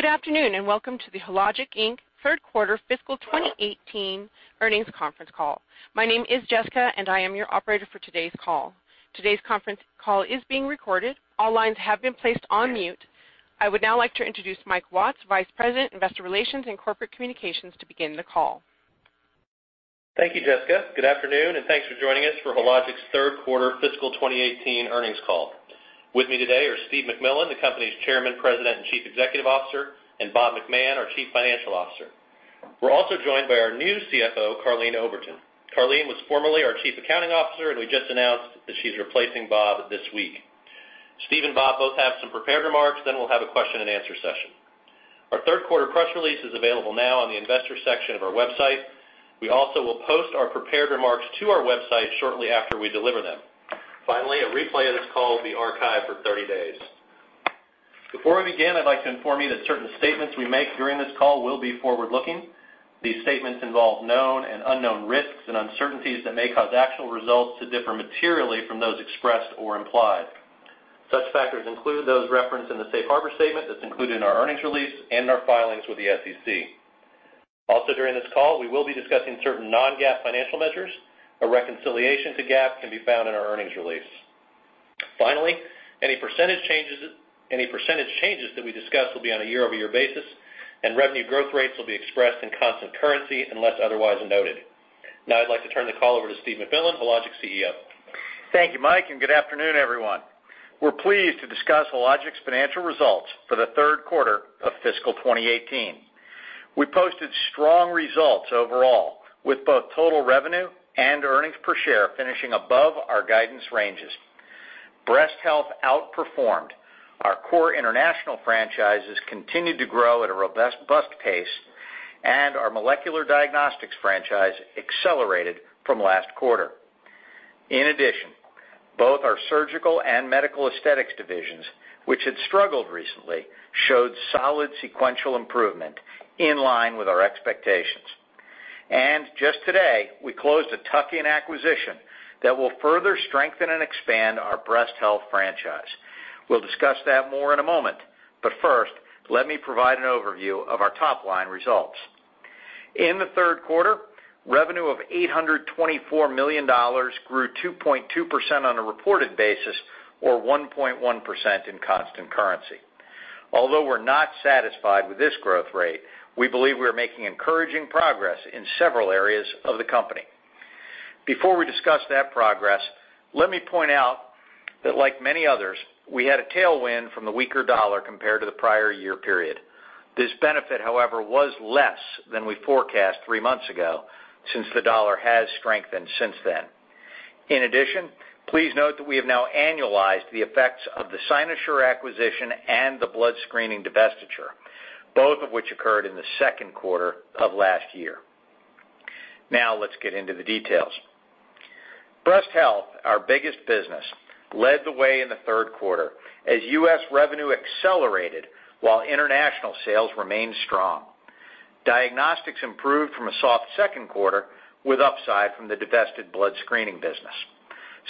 Good afternoon, and welcome to the Hologic, Inc. third quarter fiscal 2018 earnings conference call. My name is Jessica, and I am your operator for today's call. Today's conference call is being recorded. All lines have been placed on mute. I would now like to introduce Michael Watts, Vice President, Investor Relations and Corporate Communications, to begin the call. Thank you, Jessica. Good afternoon, thanks for joining us for Hologic's third quarter fiscal 2018 earnings call. With me today are Stephen MacMillan, the company's Chairman, President, and Chief Executive Officer, and Robert McMahon, our Chief Financial Officer. We're also joined by our new CFO, Karleen Oberton. Karleen was formerly our Chief Accounting Officer, we just announced that she's replacing Bob this week. Steve and Bob both have some prepared remarks, we'll have a question and answer session. Our third quarter press release is available now on the investor section of our website. We also will post our prepared remarks to our website shortly after we deliver them. A replay of this call will be archived for 30 days. Before we begin, I'd like to inform you that certain statements we make during this call will be forward-looking. These statements involve known and unknown risks and uncertainties that may cause actual results to differ materially from those expressed or implied. Such factors include those referenced in the safe harbor statement that's included in our earnings release and in our filings with the SEC. During this call, we will be discussing certain non-GAAP financial measures. A reconciliation to GAAP can be found in our earnings release. Any percentage changes that we discuss will be on a year-over-year basis, revenue growth rates will be expressed in constant currency unless otherwise noted. I'd like to turn the call over to Stephen MacMillan, Hologic's CEO. Thank you, Mike, good afternoon, everyone. We're pleased to discuss Hologic's financial results for the third quarter of fiscal 2018. We posted strong results overall with both total revenue and earnings per share finishing above our guidance ranges. Breast health outperformed, our core international franchises continued to grow at a robust pace, and our molecular diagnostics franchise accelerated from last quarter. Both our surgical and medical aesthetics divisions, which had struggled recently, showed solid sequential improvement in line with our expectations. Just today, we closed a tuck-in acquisition that will further strengthen and expand our breast health franchise. We'll discuss that more in a moment, first, let me provide an overview of our top-line results. In the third quarter, revenue of $824 million grew 2.2% on a reported basis or 1.1% in constant currency. Although we're not satisfied with this growth rate, we believe we are making encouraging progress in several areas of the company. Before we discuss that progress, let me point out that, like many others, we had a tailwind from the weaker dollar compared to the prior year period. This benefit, however, was less than we forecast 3 months ago, since the dollar has strengthened since then. In addition, please note that we have now annualized the effects of the Cynosure acquisition and the blood screening divestiture, both of which occurred in the second quarter of last year. Now let's get into the details. Breast health, our biggest business, led the way in the third quarter as U.S. revenue accelerated while international sales remained strong. Diagnostics improved from a soft second quarter with upside from the divested blood screening business.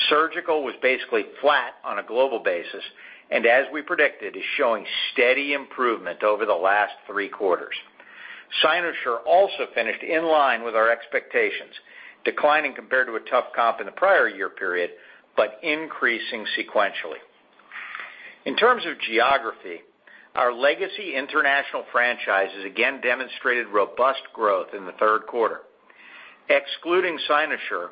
Surgical was basically flat on a global basis and, as we predicted, is showing steady improvement over the last 3 quarters. Cynosure also finished in line with our expectations, declining compared to a tough comp in the prior year period, but increasing sequentially. In terms of geography, our legacy international franchises again demonstrated robust growth in the third quarter. Excluding Cynosure,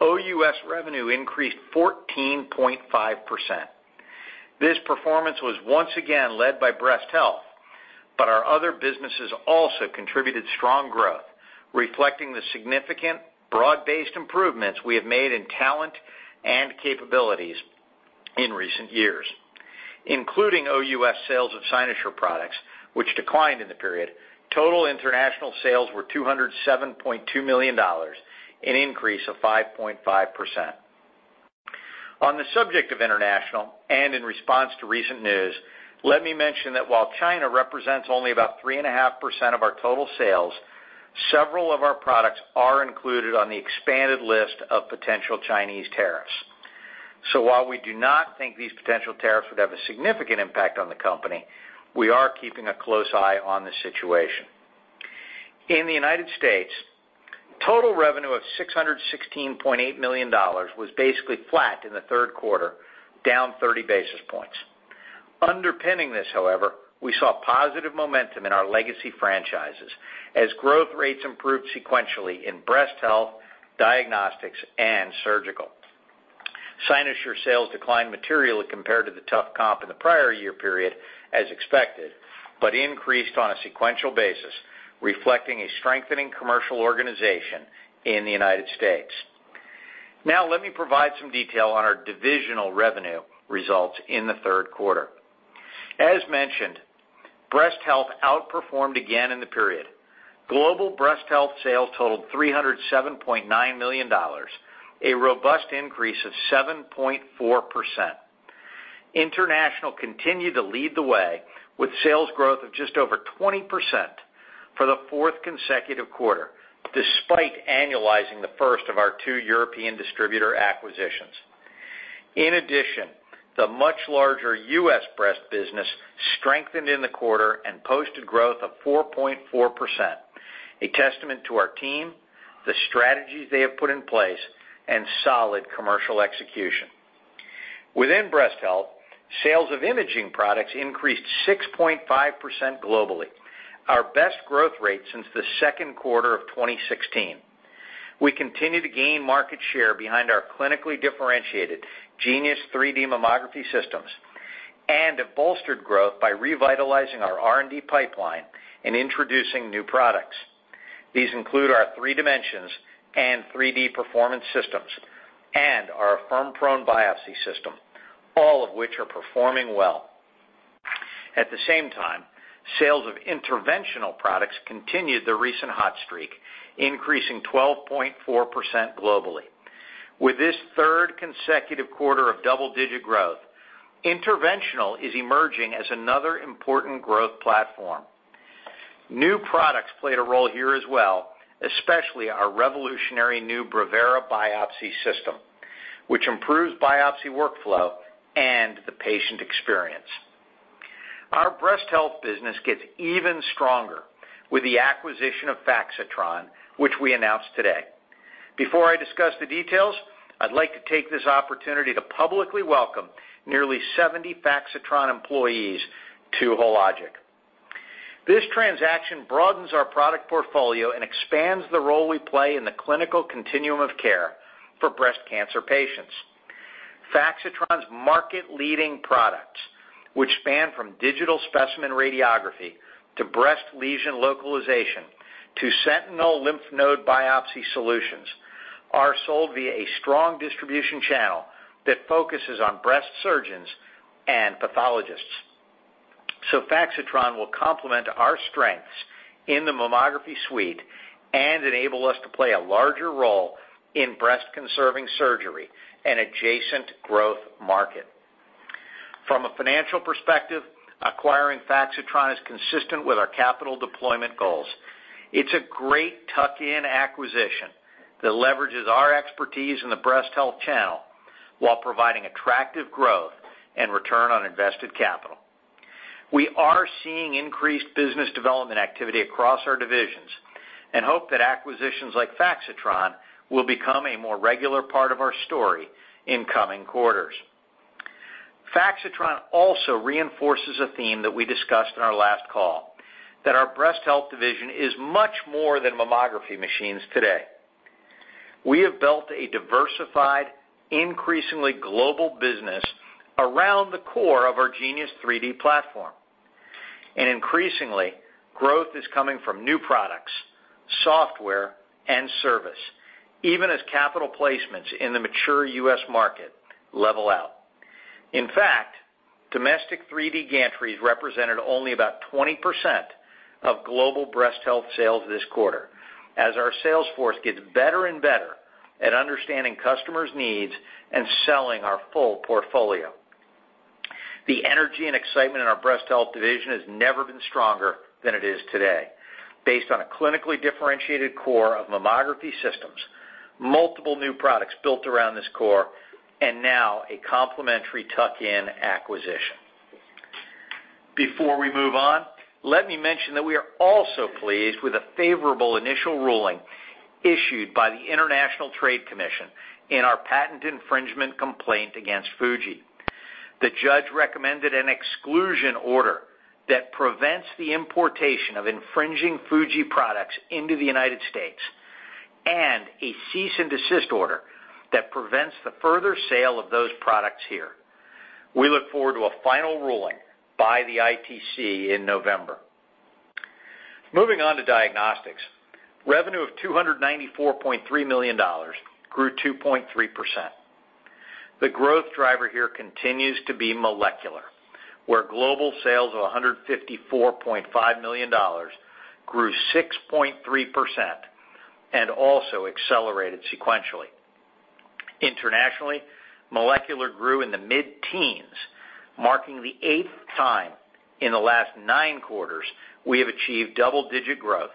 OUS revenue increased 14.5%. This performance was once again led by breast health, but our other businesses also contributed strong growth, reflecting the significant broad-based improvements we have made in talent and capabilities in recent years. Including OUS sales of Cynosure products, which declined in the period, total international sales were $207.2 million, an increase of 5.5%. On the subject of international and in response to recent news, let me mention that while China represents only about 3.5% of our total sales, several of our products are included on the expanded list of potential Chinese tariffs. While we do not think these potential tariffs would have a significant impact on the company, we are keeping a close eye on the situation. In the United States, total revenue of $616.8 million was basically flat in the third quarter, down 30 basis points. Underpinning this, however, we saw positive momentum in our legacy franchises as growth rates improved sequentially in breast health, diagnostics, and surgical. Cynosure sales declined materially compared to the tough comp in the prior year period, as expected, but increased on a sequential basis, reflecting a strengthening commercial organization in the United States. Let me provide some detail on our divisional revenue results in the third quarter. As mentioned, breast health outperformed again in the period. Global breast health sales totaled $307.9 million, a robust increase of 7.4%. International continued to lead the way with sales growth of just over 20% for the fourth consecutive quarter, despite annualizing the first of our two European distributor acquisitions. In addition, the much larger U.S. breast business strengthened in the quarter and posted growth of 4.4%, a testament to our team, the strategies they have put in place, and solid commercial execution. Within breast health, sales of imaging products increased 6.5% globally, our best growth rate since the second quarter of 2016. We continue to gain market share behind our clinically differentiated Genius 3D Mammography systems and have bolstered growth by revitalizing our R&D pipeline and introducing new products. These include our 3Dimensions and 3D Performance Systems and our Affirm Prone Biopsy System, all of which are performing well. At the same time, sales of interventional products continued the recent hot streak, increasing 12.4% globally. With this third consecutive quarter of double-digit growth, interventional is emerging as another important growth platform. New products played a role here as well, especially our revolutionary new Brevera Breast Biopsy System, which improves biopsy workflow and the patient experience. Our breast health business gets even stronger with the acquisition of Faxitron, which we announced today. Before I discuss the details, I'd like to take this opportunity to publicly welcome nearly 70 Faxitron employees to Hologic. This transaction broadens our product portfolio and expands the role we play in the clinical continuum of care for breast cancer patients. Faxitron's market-leading products, which span from digital specimen radiography to breast lesion localization to sentinel lymph node biopsy solutions, are sold via a strong distribution channel that focuses on breast surgeons and pathologists. Faxitron will complement our strengths in the mammography suite and enable us to play a larger role in breast-conserving surgery, an adjacent growth market. From a financial perspective, acquiring Faxitron is consistent with our capital deployment goals. It's a great tuck-in acquisition that leverages our expertise in the breast health channel while providing attractive growth and return on invested capital. We are seeing increased business development activity across our divisions and hope that acquisitions like Faxitron will become a more regular part of our story in coming quarters. Faxitron also reinforces a theme that we discussed in our last call, that our Breast Health Division is much more than mammography machines today. We have built a diversified, increasingly global business around the core of our Genius 3D platform. Increasingly, growth is coming from new products, software, and service, even as capital placements in the mature U.S. market level out. In fact, domestic 3D gantries represented only about 20% of global breast health sales this quarter, as our sales force gets better and better at understanding customers' needs and selling our full portfolio. The energy and excitement in our Breast Health Division has never been stronger than it is today. Based on a clinically differentiated core of mammography systems, multiple new products built around this core, and now a complementary tuck-in acquisition. Before we move on, let me mention that we are also pleased with a favorable initial ruling issued by the International Trade Commission in our patent infringement complaint against Fuji. The judge recommended an exclusion order that prevents the importation of infringing Fuji products into the United States and a cease and desist order that prevents the further sale of those products here. We look forward to a final ruling by the ITC in November. Moving on to diagnostics. Revenue of $294.3 million grew 2.3%. The growth driver here continues to be molecular, where global sales of $154.5 million grew 6.3% and also accelerated sequentially. Internationally, molecular grew in the mid-teens, marking the eighth time in the last nine quarters we have achieved double-digit growth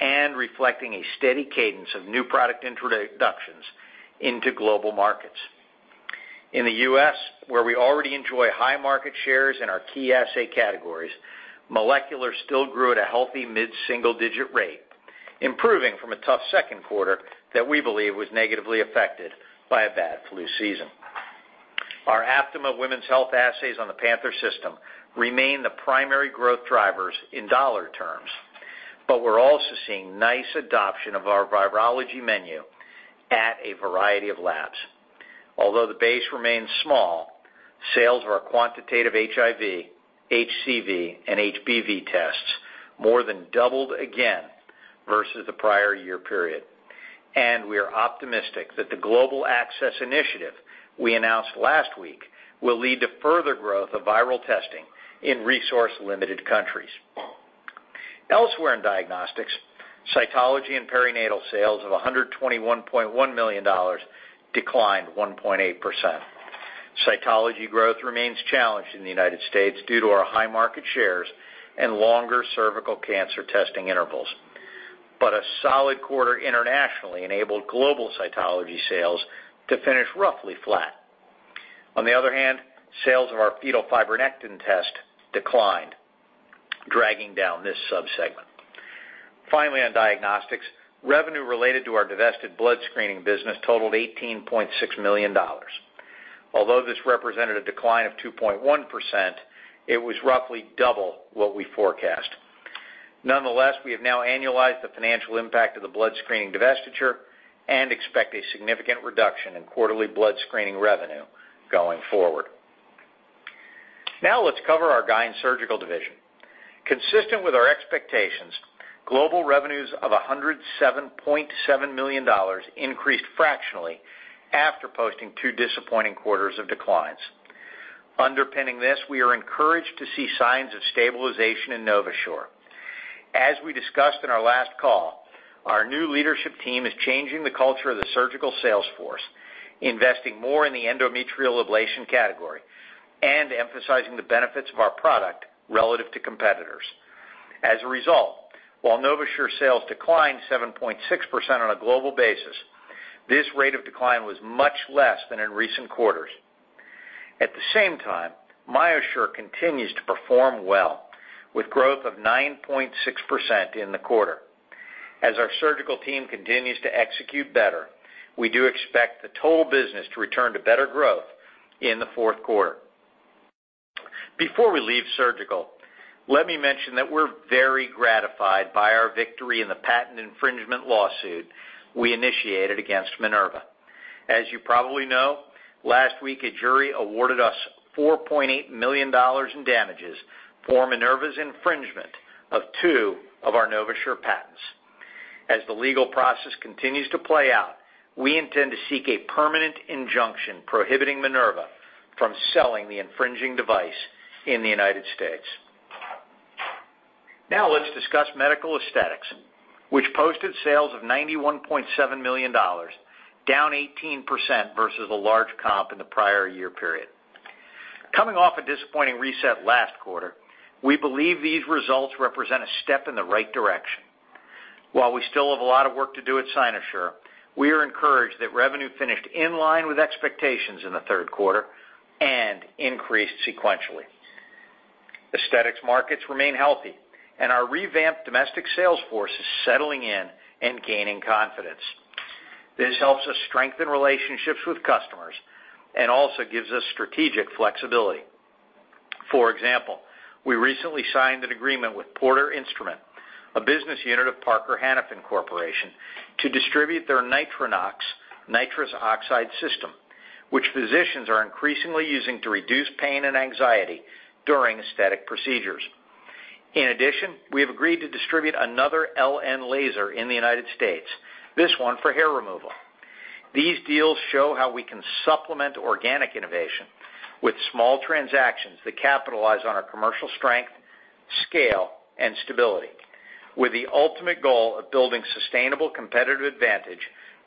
and reflecting a steady cadence of new product introductions into global markets. In the U.S., where we already enjoy high market shares in our key assay categories, molecular still grew at a healthy mid-single-digit rate, improving from a tough second quarter that we believe was negatively affected by a bad flu season. Our Aptima women's health assays on the Panther system remain the primary growth drivers in dollar terms, but we're also seeing nice adoption of our virology menu at a variety of labs. Although the base remains small, sales of our quantitative HIV, HCV, and HBV tests more than doubled again versus the prior year period. We are optimistic that the Global Access Initiative we announced last week will lead to further growth of viral testing in resource-limited countries. Elsewhere in diagnostics, cytology and perinatal sales of $121.1 million declined 1.8%. Cytology growth remains challenged in the U.S. due to our high market shares and longer cervical cancer testing intervals. A solid quarter internationally enabled global cytology sales to finish roughly flat. On the other hand, sales of our fetal fibronectin test declined, dragging down this sub-segment. Finally, on diagnostics, revenue related to our divested blood screening business totaled $18.6 million. Although this represented a decline of 2.1%, it was roughly double what we forecast. Nonetheless, we have now annualized the financial impact of the blood screening divestiture and expect a significant reduction in quarterly blood screening revenue going forward. Now let's cover our guide and surgical division. Consistent with our expectations, global revenues of $107.7 million increased fractionally after posting two disappointing quarters of declines. Underpinning this, we are encouraged to see signs of stabilization in NovaSure. As we discussed in our last call, our new leadership team is changing the culture of the surgical sales force, investing more in the endometrial ablation category, and emphasizing the benefits of our product relative to competitors. As a result, while NovaSure sales declined 7.6% on a global basis, this rate of decline was much less than in recent quarters. At the same time, MyoSure continues to perform well, with growth of 9.6% in the quarter. As our surgical team continues to execute better, we do expect the total business to return to better growth in the fourth quarter. Before we leave surgical, let me mention that we're very gratified by our victory in the patent infringement lawsuit we initiated against Minerva. As you probably know, last week, a jury awarded us $4.8 million in damages for Minerva's infringement of two of our NovaSure patents. As the legal process continues to play out, we intend to seek a permanent injunction prohibiting Minerva from selling the infringing device in the U.S. Now let's discuss medical aesthetics, which posted sales of $91.7 million, down 18% versus a large comp in the prior year period. Coming off a disappointing reset last quarter, we believe these results represent a step in the right direction. While we still have a lot of work to do at Cynosure, we are encouraged that revenue finished in line with expectations in the third quarter and increased sequentially. Aesthetics markets remain healthy, and our revamped domestic sales force is settling in and gaining confidence. This helps us strengthen relationships with customers and also gives us strategic flexibility. For example, we recently signed an agreement with Porter Instrument, a business unit of Parker Hannifin Corporation, to distribute their Nitronox nitrous oxide system, which physicians are increasingly using to reduce pain and anxiety during aesthetic procedures. In addition, we have agreed to distribute another [LN laser] in the U.S., this one for hair removal. These deals show how we can supplement organic innovation with small transactions that capitalize on our commercial strength, scale, and stability, with the ultimate goal of building sustainable competitive advantage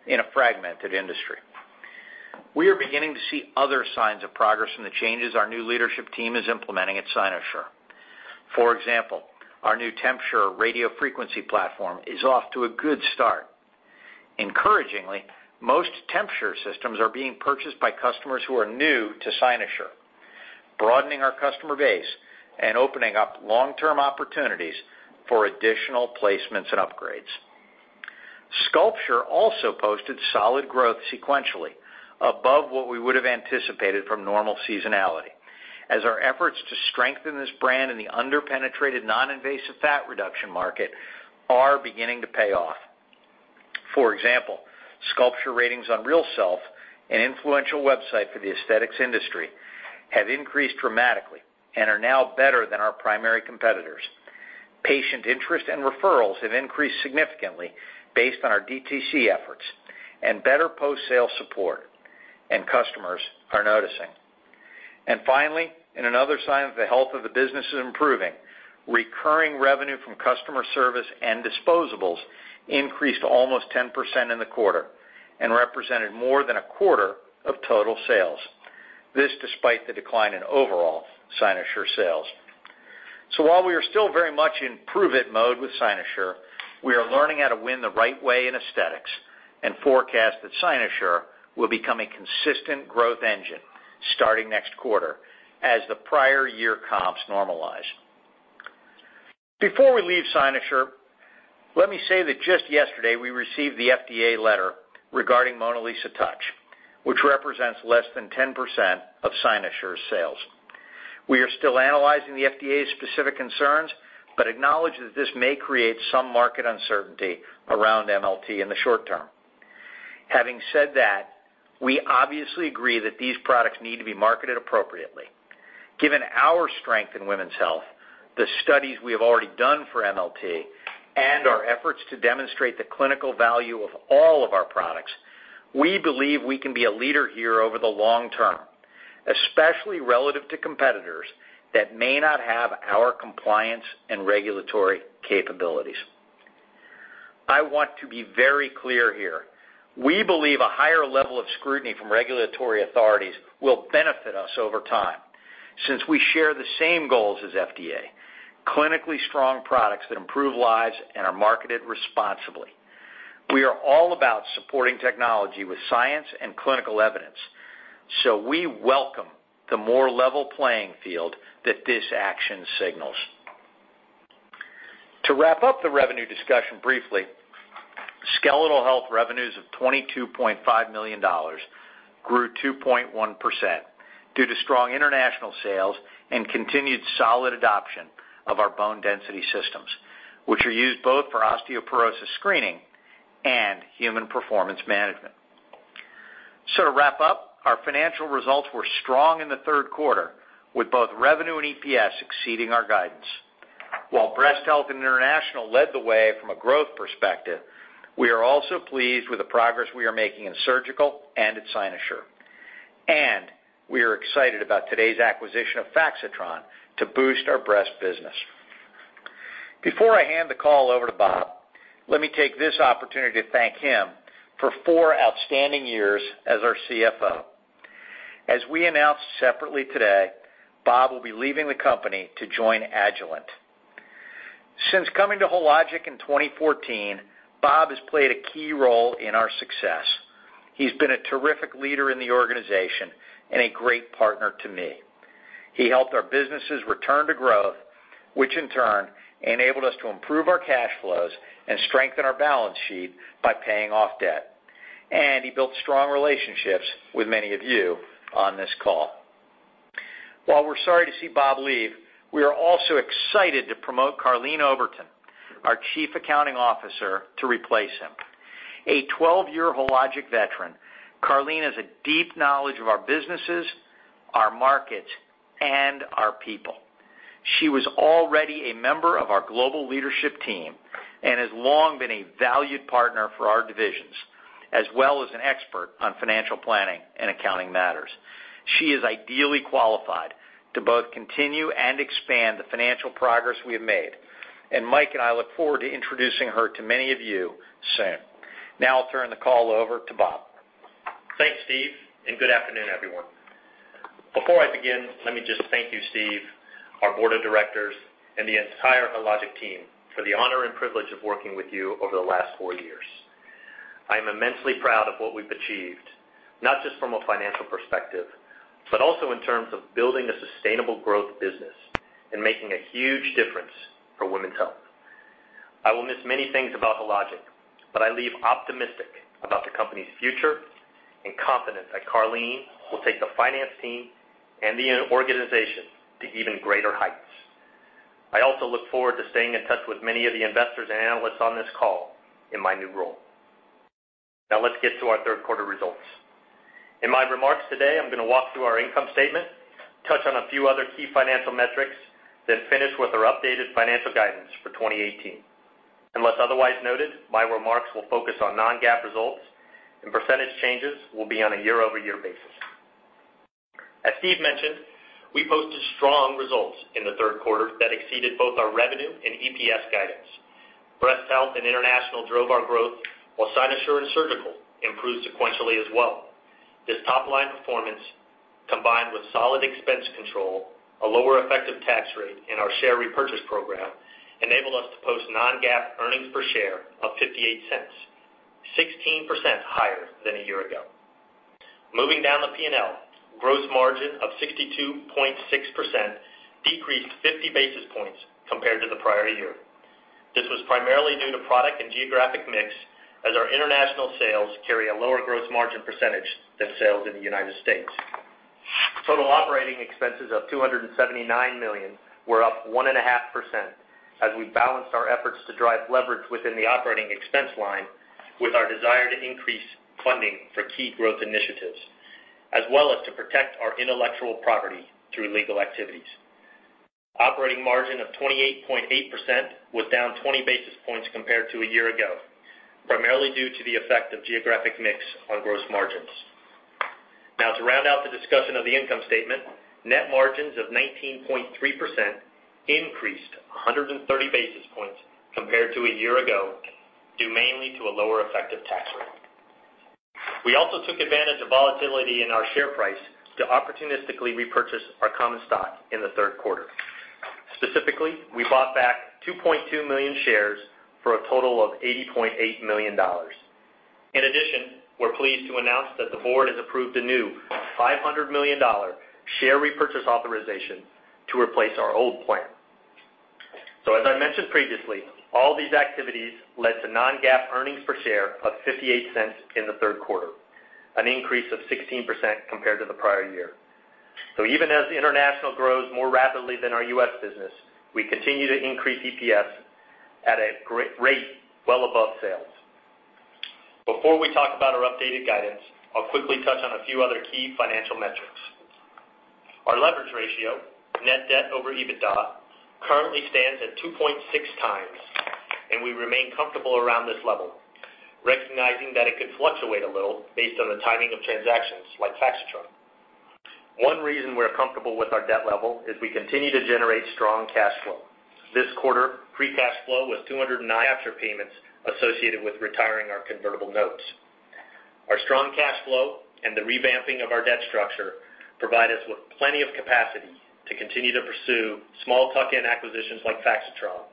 in a fragmented industry. We are beginning to see other signs of progress from the changes our new leadership team is implementing at Cynosure. For example, our new TempSure radio frequency platform is off to a good start. Encouragingly, most TempSure systems are being purchased by customers who are new to Cynosure, broadening our customer base and opening up long-term opportunities for additional placements and upgrades. SculpSure also posted solid growth sequentially above what we would have anticipated from normal seasonality, as our efforts to strengthen this brand in the under-penetrated, non-invasive fat reduction market are beginning to pay off. For example, SculpSure ratings on RealSelf, an influential website for the aesthetics industry, have increased dramatically and are now better than our primary competitors. Patient interest and referrals have increased significantly based on our DTC efforts and better post-sale support, and customers are noticing. Finally, in another sign that the health of the business is improving, recurring revenue from customer service and disposables increased almost 10% in the quarter and represented more than a quarter of total sales. This despite the decline in overall Cynosure sales. While we are still very much in prove it mode with Cynosure, we are learning how to win the right way in aesthetics and forecast that Cynosure will become a consistent growth engine starting next quarter as the prior year comps normalize. Before we leave Cynosure, let me say that just yesterday, we received the FDA letter regarding MonaLisa Touch, which represents less than 10% of Cynosure's sales. We are still analyzing the FDA's specific concerns but acknowledge that this may create some market uncertainty around MLT in the short term. Having said that, we obviously agree that these products need to be marketed appropriately. Given our strength in women's health, the studies we have already done for MLT, and our efforts to demonstrate the clinical value of all of our products, we believe we can be a leader here over the long term, especially relative to competitors that may not have our compliance and regulatory capabilities. I want to be very clear here. We believe a higher level of scrutiny from regulatory authorities will benefit us over time. Since we share the same goals as FDA, clinically strong products that improve lives and are marketed responsibly. We are all about supporting technology with science and clinical evidence, we welcome the more level playing field that this action signals. To wrap up the revenue discussion briefly, skeletal health revenues of $22.5 million grew 2.1% due to strong international sales and continued solid adoption of our bone density systems, which are used both for osteoporosis screening and human performance management. To wrap up, our financial results were strong in the third quarter with both revenue and EPS exceeding our guidance. While breast health and international led the way from a growth perspective, we are also pleased with the progress we are making in surgical and at Cynosure, and we are excited about today's acquisition of Faxitron to boost our breast business. Before I hand the call over to Bob, let me take this opportunity to thank him for four outstanding years as our CFO. As we announced separately today, Bob will be leaving the company to join Agilent. Since coming to Hologic in 2014, Bob has played a key role in our success. He's been a terrific leader in the organization and a great partner to me. He helped our businesses return to growth, which in turn enabled us to improve our cash flows and strengthen our balance sheet by paying off debt. He built strong relationships with many of you on this call. While we're sorry to see Bob leave, we are also excited to promote Karleen Oberton, our Chief Accounting Officer, to replace him. A 12-year Hologic veteran, Karleen has a deep knowledge of our businesses, our markets, and our people. She was already a member of our global leadership team and has long been a valued partner for our divisions, as well as an expert on financial planning and accounting matters. She is ideally qualified to both continue and expand the financial progress we have made, and Mike and I look forward to introducing her to many of you soon. Now I'll turn the call over to Bob. Thanks, Steve, and good afternoon, everyone. Before I begin, let me just thank you, Steve, our board of directors, and the entire Hologic team for the honor and privilege of working with you over the last four years. I am immensely proud of what we've achieved, not just from a financial perspective, but also in terms of building a sustainable growth business and making a huge difference for women's health. I will miss many things about Hologic, but I leave optimistic about the company's future and confident that Karleen will take the finance team and the organization to even greater heights. I also look forward to staying in touch with many of the investors and analysts on this call in my new role. Now let's get to our third quarter results. In my remarks today, I'm going to walk through our income statement, touch on a few other key financial metrics, then finish with our updated financial guidance for 2018. Percentage changes will be on a year-over-year basis. Unless otherwise noted, my remarks will focus on non-GAAP results. As Steve mentioned, we posted strong results in the third quarter that exceeded both our revenue and EPS guidance. Breast Health and International drove our growth, while Cynosure and Surgical improved sequentially as well. This top-line performance, combined with solid expense control, a lower effective tax rate, and our share repurchase program, enabled us to post non-GAAP earnings per share of $0.58, 16% higher than a year ago. Moving down the P&L, gross margin of 62.6% decreased 50 basis points compared to the prior year. This was primarily due to product and geographic mix, as our international sales carry a lower gross margin percentage than sales in the U.S. Total operating expenses of $279 million were up 1.5% as we balanced our efforts to drive leverage within the operating expense line with our desire to increase funding for key growth initiatives, as well as to protect our intellectual property through legal activities. Operating margin of 28.8% was down 20 basis points compared to a year ago, primarily due to the effect of geographic mix on gross margins. To round out the discussion of the income statement, net margins of 19.3% increased 130 basis points compared to a year ago, due mainly to a lower effective tax rate. We also took advantage of volatility in our share price to opportunistically repurchase our common stock in the third quarter. Specifically, we bought back 2.2 million shares for a total of $80.8 million. In addition, we're pleased to announce that the board has approved a new $500 million share repurchase authorization to replace our old plan. As I mentioned previously, all these activities led to non-GAAP earnings per share of $0.58 in the third quarter, an increase of 16% compared to the prior year. Even as International grows more rapidly than our U.S. business, we continue to increase EPS at a rate well above sales. Before we talk about our updated guidance, I'll quickly touch on a few other key financial metrics. Our leverage ratio, net debt over EBITDA, currently stands at 2.6 times, and we remain comfortable around this level, recognizing that it could fluctuate a little based on the timing of transactions like Faxitron. One reason we're comfortable with our debt level is we continue to generate strong cash flow. This quarter, free cash flow was $209 million after payments associated with retiring our convertible notes. Our strong cash flow and the revamping of our debt structure provide us with plenty of capacity to continue to pursue small tuck-in acquisitions like Faxitron,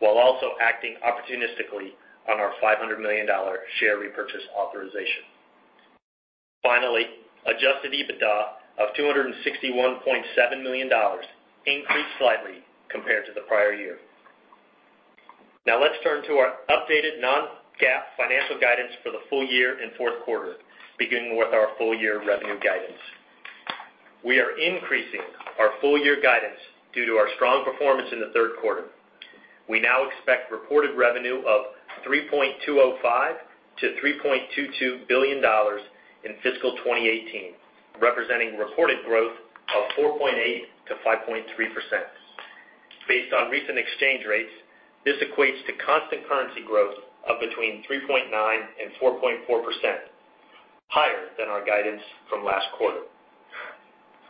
while also acting opportunistically on our $500 million share repurchase authorization. Finally, adjusted EBITDA of $261.7 million increased slightly compared to the prior year. Let's turn to our updated non-GAAP financial guidance for the full year and fourth quarter, beginning with our full year revenue guidance. We are increasing our full year guidance due to our strong performance in the third quarter. We now expect reported revenue of $3.205 billion-$3.22 billion in fiscal 2018, representing reported growth of 4.8%-5.3%. Based on recent exchange rates, this equates to constant currency growth of between 3.9% and 4.4%, higher than our guidance from last quarter.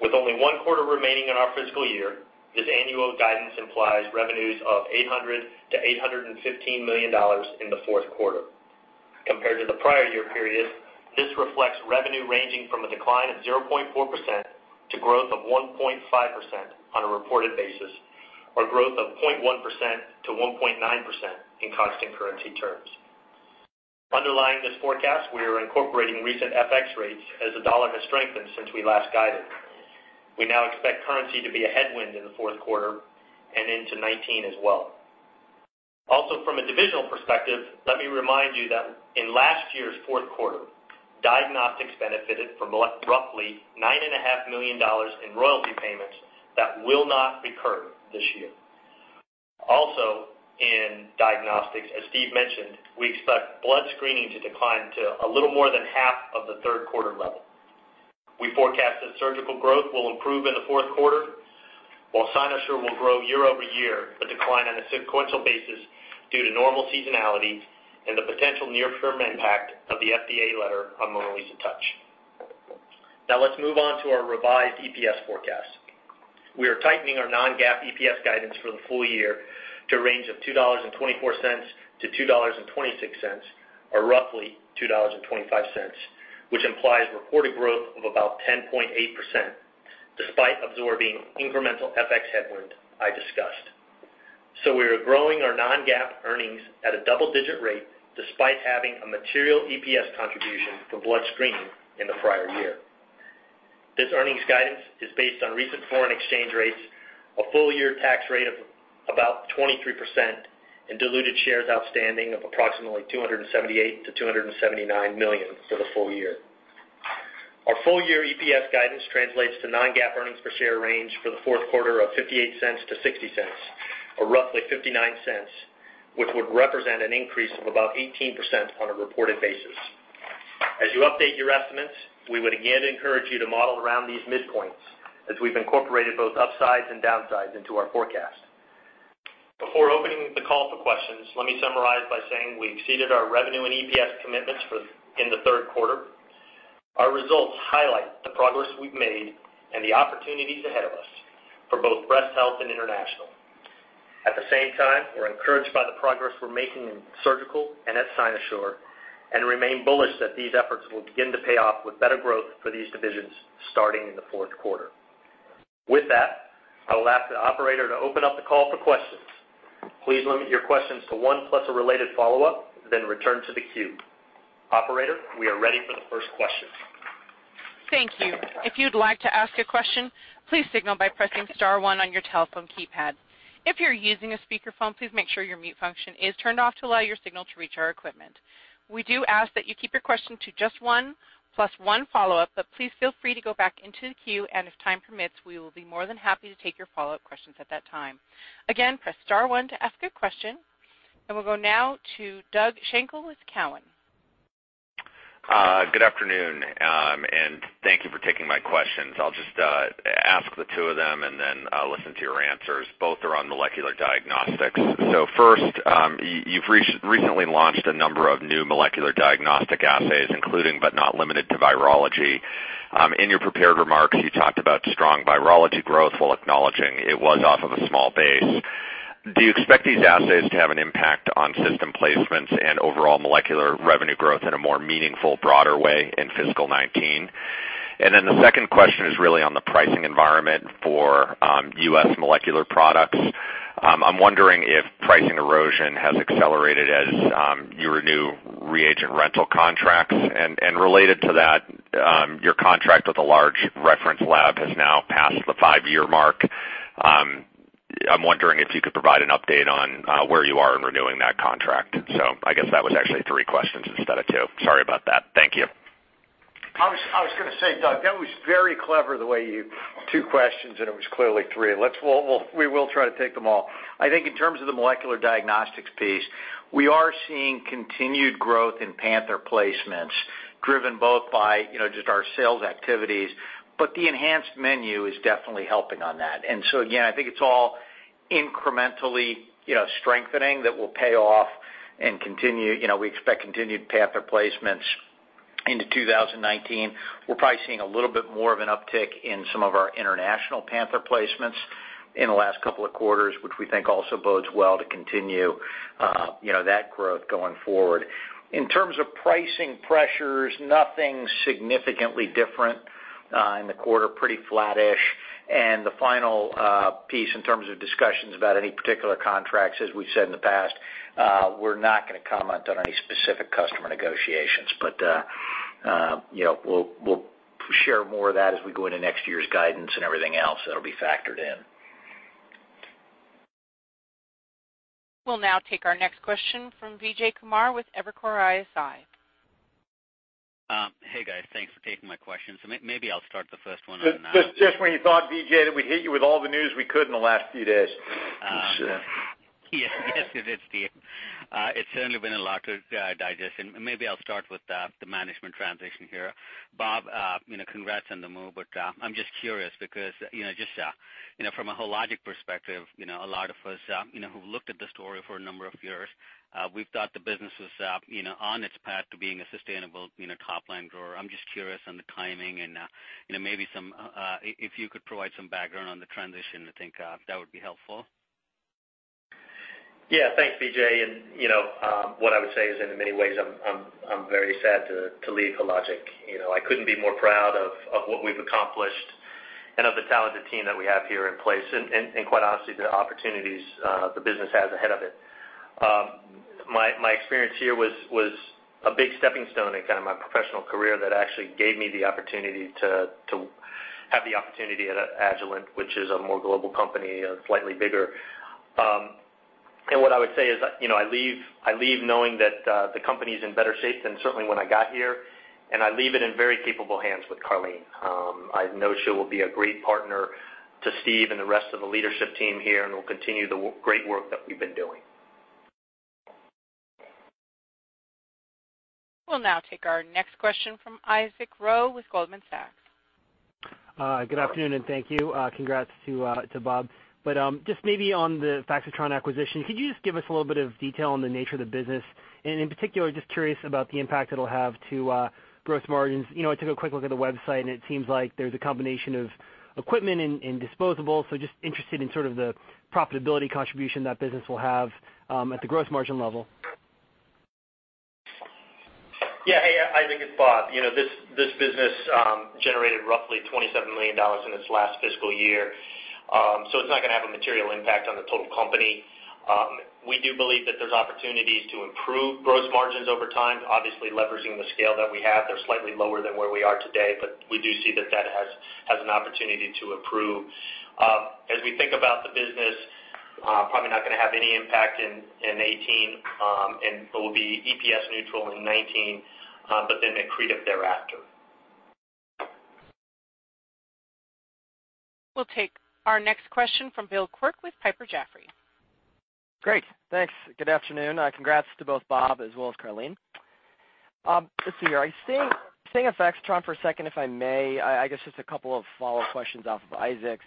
With only one quarter remaining in our fiscal year, this annual guidance implies revenues of $800 million-$815 million in the fourth quarter. Compared to the prior year period, this reflects revenue ranging from a decline of 0.4%-1.5% on a reported basis, or growth of 0.1%-1.9% in constant currency terms. Underlying this forecast, we are incorporating recent FX rates, as the dollar has strengthened since we last guided. We now expect currency to be a headwind in the fourth quarter and into 2019 as well. From a divisional perspective, let me remind you that in last year's fourth quarter, diagnostics benefited from roughly $9.5 million in royalty payments that will not recur this year. In diagnostics, as Steve mentioned, we expect blood screening to decline to a little more than half of the third quarter level. We forecast that surgical growth will improve in the fourth quarter, while Cynosure will grow year-over-year, but decline on a sequential basis due to normal seasonality and the potential near-term impact of the FDA letter on MonaLisa Touch. Let's move on to our revised EPS forecast. We are tightening our non-GAAP EPS guidance for the full year to a range of $2.24-$2.26, or roughly $2.25, which implies reported growth of about 10.8%, despite absorbing incremental FX headwind I discussed. We are growing our non-GAAP earnings at a double-digit rate despite having a material EPS contribution from blood screening in the prior year. This earnings guidance is based on recent foreign exchange rates, a full year tax rate of about 23%, and diluted shares outstanding of approximately 278 million-279 million for the full year. Our full year EPS guidance translates to non-GAAP earnings per share range for the fourth quarter of $0.58-$0.60, or roughly $0.59, which would represent an increase of about 18% on a reported basis. As you update your estimates, we would again encourage you to model around these midpoints, as we've incorporated both upsides and downsides into our forecast. Before opening the call for questions, let me summarize by saying we exceeded our revenue and EPS commitments in the third quarter. Our results highlight the progress we've made and the opportunities ahead of us for both breast health and international. At the same time, we're encouraged by the progress we're making in surgical and at Cynosure and remain bullish that these efforts will begin to pay off with better growth for these divisions starting in the fourth quarter. I will ask the operator to open up the call for questions. Please limit your questions to one plus a related follow-up, then return to the queue. Operator, we are ready for the first question. Thank you. If you'd like to ask a question, please signal by pressing *1 on your telephone keypad. If you're using a speakerphone, please make sure your mute function is turned off to allow your signal to reach our equipment. We do ask that you keep your question to just one, plus one follow-up, but please feel free to go back into the queue, and if time permits, we will be more than happy to take your follow-up questions at that time. Again, press *1 to ask a question. We'll go now to Doug Schenkel with Cowen. Good afternoon. Thank you for taking my questions. I'll just ask the two of them and then listen to your answers. Both are on molecular diagnostics. First, you've recently launched a number of new molecular diagnostic assays, including but not limited to virology. In your prepared remarks, you talked about strong virology growth while acknowledging it was off of a small base. Do you expect these assays to have an impact on system placements and overall molecular revenue growth in a more meaningful, broader way in fiscal 2019? The second question is really on the pricing environment for U.S. molecular products. I'm wondering if pricing erosion has accelerated as you renew reagent rental contracts. Related to that, your contract with a large reference lab has now passed the five-year mark. I'm wondering if you could provide an update on where you are in renewing that contract. I guess that was actually three questions instead of two. Sorry about that. Thank you. I was going to say, Doug, that was very clever the way you. Two questions, and it was clearly three. We will try to take them all. I think in terms of the molecular diagnostics piece, we are seeing continued growth in Panther placements driven both by just our sales activities, but the enhanced menu is definitely helping on that. Again, I think it's all incrementally strengthening that will pay off and continue. We expect continued Panther placements into 2019. We're probably seeing a little bit more of an uptick in some of our international Panther placements In the last couple of quarters, which we think also bodes well to continue that growth going forward. In terms of pricing pressures, nothing significantly different in the quarter, pretty flattish. The final piece in terms of discussions about any particular contracts, as we've said in the past, we're not going to comment on any specific customer negotiations. We'll share more of that as we go into next year's guidance and everything else that'll be factored in. We'll now take our next question from Vijay Kumar with Evercore ISI. Hey, guys. Thanks for taking my questions. Maybe I'll start the first one on- Just when you thought, Vijay, that we hit you with all the news we could in the last few days. Yes, it is, Steve. It's certainly been a lot to digest, and maybe I'll start with the management transition here. Bob, congrats on the move, but I'm just curious because, just from a Hologic perspective, a lot of us who've looked at the story for a number of years, we've thought the business was on its path to being a sustainable top-line grower. I'm just curious on the timing and if you could provide some background on the transition, I think that would be helpful. Thanks, Vijay. What I would say is, in many ways, I'm very sad to leave Hologic. I couldn't be more proud of what we've accomplished and of the talented team that we have here in place and, quite honestly, the opportunities the business has ahead of it. My experience here was a big stepping stone in my professional career that actually gave me the opportunity to have the opportunity at Agilent, which is a more global company, slightly bigger. What I would say is I leave knowing that the company's in better shape than certainly when I got here, and I leave it in very capable hands with Karleen. I know she will be a great partner to Steve and the rest of the leadership team here, and will continue the great work that we've been doing. We'll now take our next question from Isaac Ro with Goldman Sachs. Good afternoon, and thank you. Congrats to Bob. Just maybe on the Faxitron acquisition, could you just give us a little bit of detail on the nature of the business, and in particular, just curious about the impact it'll have to gross margins. I took a quick look at the website, and it seems like there's a combination of equipment and disposables, so just interested in sort of the profitability contribution that business will have at the gross margin level. Hey, Isaac, it's Bob. This business generated roughly $27 million in its last fiscal year. It's not going to have a material impact on the total company. We do believe that there's opportunities to improve gross margins over time, obviously leveraging the scale that we have. They're slightly lower than where we are today, but we do see that that has an opportunity to improve. As we think about the business, probably not going to have any impact in 2018, and it will be EPS neutral in 2019, but then accretive thereafter. We'll take our next question from Bill Quirk with Piper Jaffray. Great. Thanks. Good afternoon. Congrats to both Bob as well as Karlene. Let's see here. Staying with Faxitron for a second, if I may, I guess just a couple of follow-up questions off of Isaac's.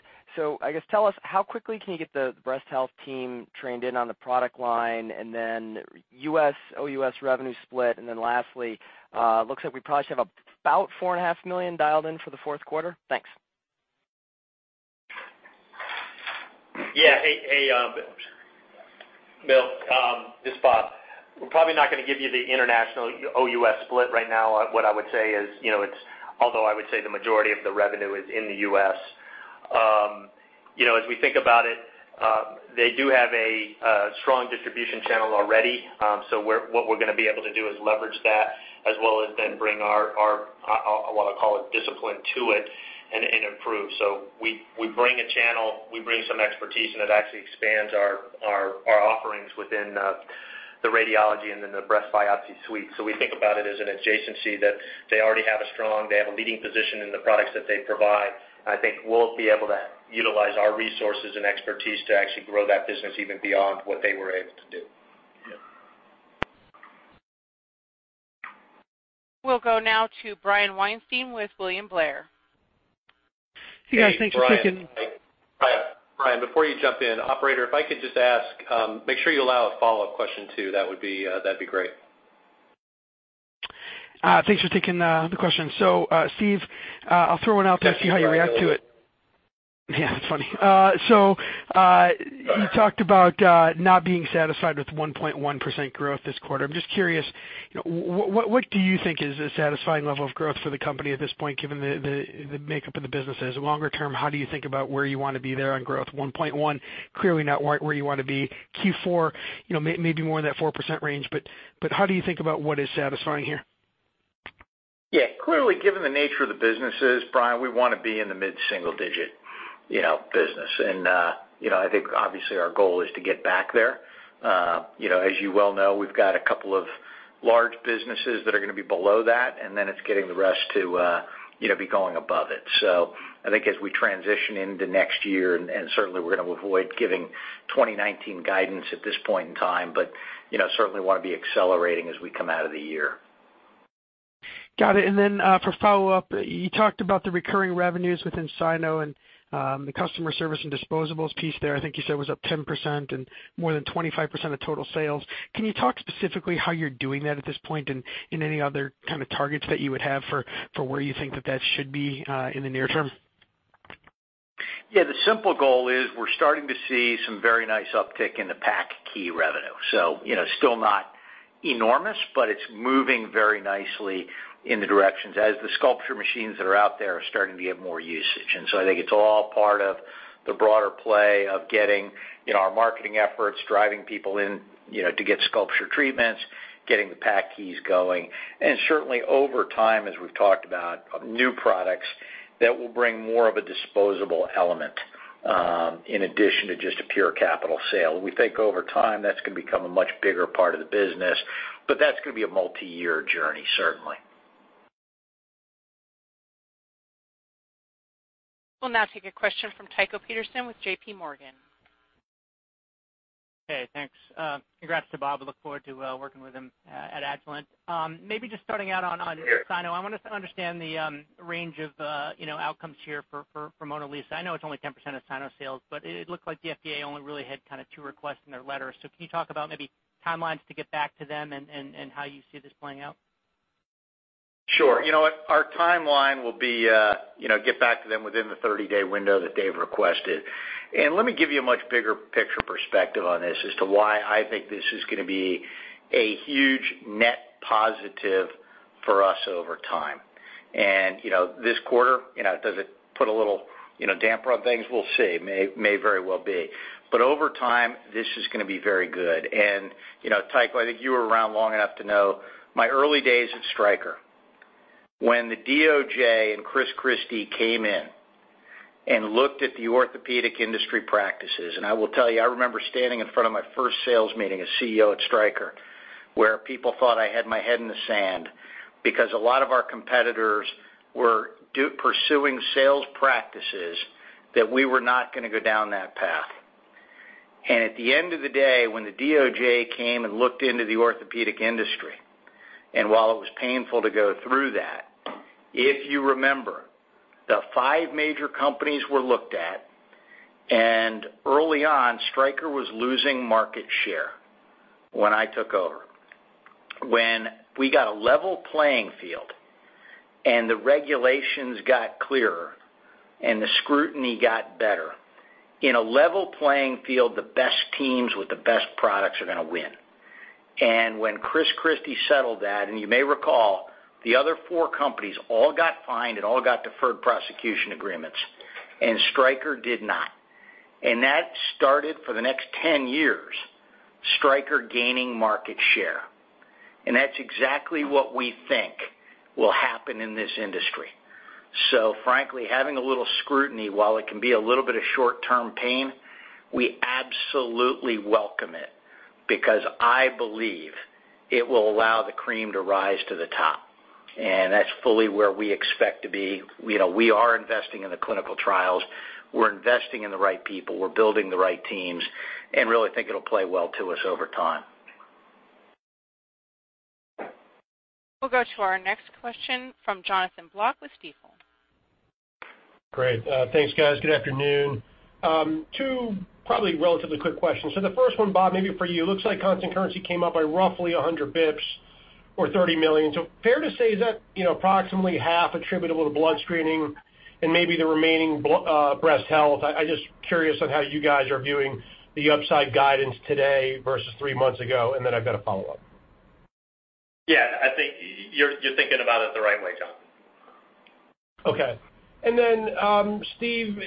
I guess, tell us how quickly can you get the breast health team trained in on the product line, and then U.S., OUS revenue split, and then lastly, looks like we probably have about $4.5 million dialed in for the fourth quarter. Thanks. Yeah. Hey, Bill. It's Bob. We're probably not going to give you the international OUS split right now. Although I would say the majority of the revenue is in the U.S. As we think about it, they do have a strong distribution channel already. What we're going to be able to do is leverage that as well as then bring our, I want to call it, discipline to it and improve. We bring a channel, we bring some expertise, and it actually expands our offerings within the radiology and then the breast biopsy suite. We think about it as an adjacency that they already have a strong, they have a leading position in the products that they provide. I think we'll be able to utilize our resources and expertise to actually grow that business even beyond what they were able to do. We'll go now to Brian Weinstein with William Blair. Hey, Brian. Brian, before you jump in, operator, if I could just ask, make sure you allow a follow-up question, too. That'd be great. Thanks for taking the question. Steve, I'll throw one out, see how you react to it. Yeah, that's funny. You talked about not being satisfied with 1.1% growth this quarter. I'm just curious, what do you think is a satisfying level of growth for the company at this point, given the makeup of the businesses? Longer term, how do you think about where you want to be there on growth? 1.1%, clearly not where you want to be. Q4, maybe more in that 4% range, but how do you think about what is satisfying here? Yeah. Clearly, given the nature of the businesses, Brian, we want to be in the mid-single digit business. I think obviously our goal is to get back there. As you well know, we've got a couple of large businesses that are going to be below that, and then it's getting the rest to be going above it. I think as we transition into next year, and certainly we're going to avoid giving 2019 guidance at this point in time, but certainly want to be accelerating as we come out of the year. Got it. Then for follow-up, you talked about the recurring revenues within Cynosure and the customer service and disposables piece there, I think you said was up 10% and more than 25% of total sales. Can you talk specifically how you're doing that at this point and any other kind of targets that you would have for where you think that that should be in the near term? Yeah, the simple goal is we're starting to see some very nice uptick in the PACkey revenue. Still not enormous, but it's moving very nicely in the directions as the SculpSure machines that are out there are starting to get more usage. I think it's all part of the broader play of getting our marketing efforts, driving people in to get SculpSure treatments, getting the PACkeys going. Certainly over time, as we've talked about, new products that will bring more of a disposable element in addition to just a pure capital sale. We think over time that's going to become a much bigger part of the business, but that's going to be a multi-year journey, certainly. We'll now take a question from Tycho Peterson with J.P. Morgan. Hey, thanks. Congrats to Bob. I look forward to working with him at Agilent. Maybe just starting out on Cynosure. I want to understand the range of outcomes here for MonaLisa. I know it's only 10% of Cynosure sales, but it looked like the FDA only really had kind of two requests in their letter. Can you talk about maybe timelines to get back to them and how you see this playing out? Sure. You know what? Our timeline will be get back to them within the 30-day window that they've requested. Let me give you a much bigger picture perspective on this as to why I think this is going to be a huge net positive for us over time. This quarter, does it put a little damper on things? We'll see. May very well be. Over time, this is going to be very good. Tycho, I think you were around long enough to know my early days at Stryker, when the DOJ and Chris Christie came in and looked at the orthopedic industry practices. I will tell you, I remember standing in front of my first sales meeting as CEO at Stryker, where people thought I had my head in the sand because a lot of our competitors were pursuing sales practices that we were not going to go down that path. At the end of the day, when the DOJ came and looked into the orthopedic industry, while it was painful to go through that, if you remember, the five major companies were looked at. Early on, Stryker was losing market share when I took over. When we got a level playing field and the regulations got clearer and the scrutiny got better, in a level playing field, the best teams with the best products are going to win. When Chris Christie settled that, you may recall, the other four companies all got fined and all got deferred prosecution agreements, and Stryker did not. That started for the next 10 years, Stryker gaining market share. That's exactly what we think will happen in this industry. Frankly, having a little scrutiny, while it can be a little bit of short-term pain, we absolutely welcome it because I believe it will allow the cream to rise to the top. That's fully where we expect to be. We are investing in the clinical trials. We're investing in the right people. We're building the right teams and really think it'll play well to us over time. We'll go to our next question from Jonathan Block with Stifel. Great. Thanks, guys. Good afternoon. Two probably relatively quick questions. The first one, Bob, maybe for you. It looks like constant currency came up by roughly 100 basis points or $30 million. Fair to say, is that approximately half attributable to blood screening and maybe the remaining breast health? I'm just curious on how you guys are viewing the upside guidance today versus three months ago. I've got a follow-up. Yeah, I think you're thinking about it the right way, Jonathan. Okay. Steve,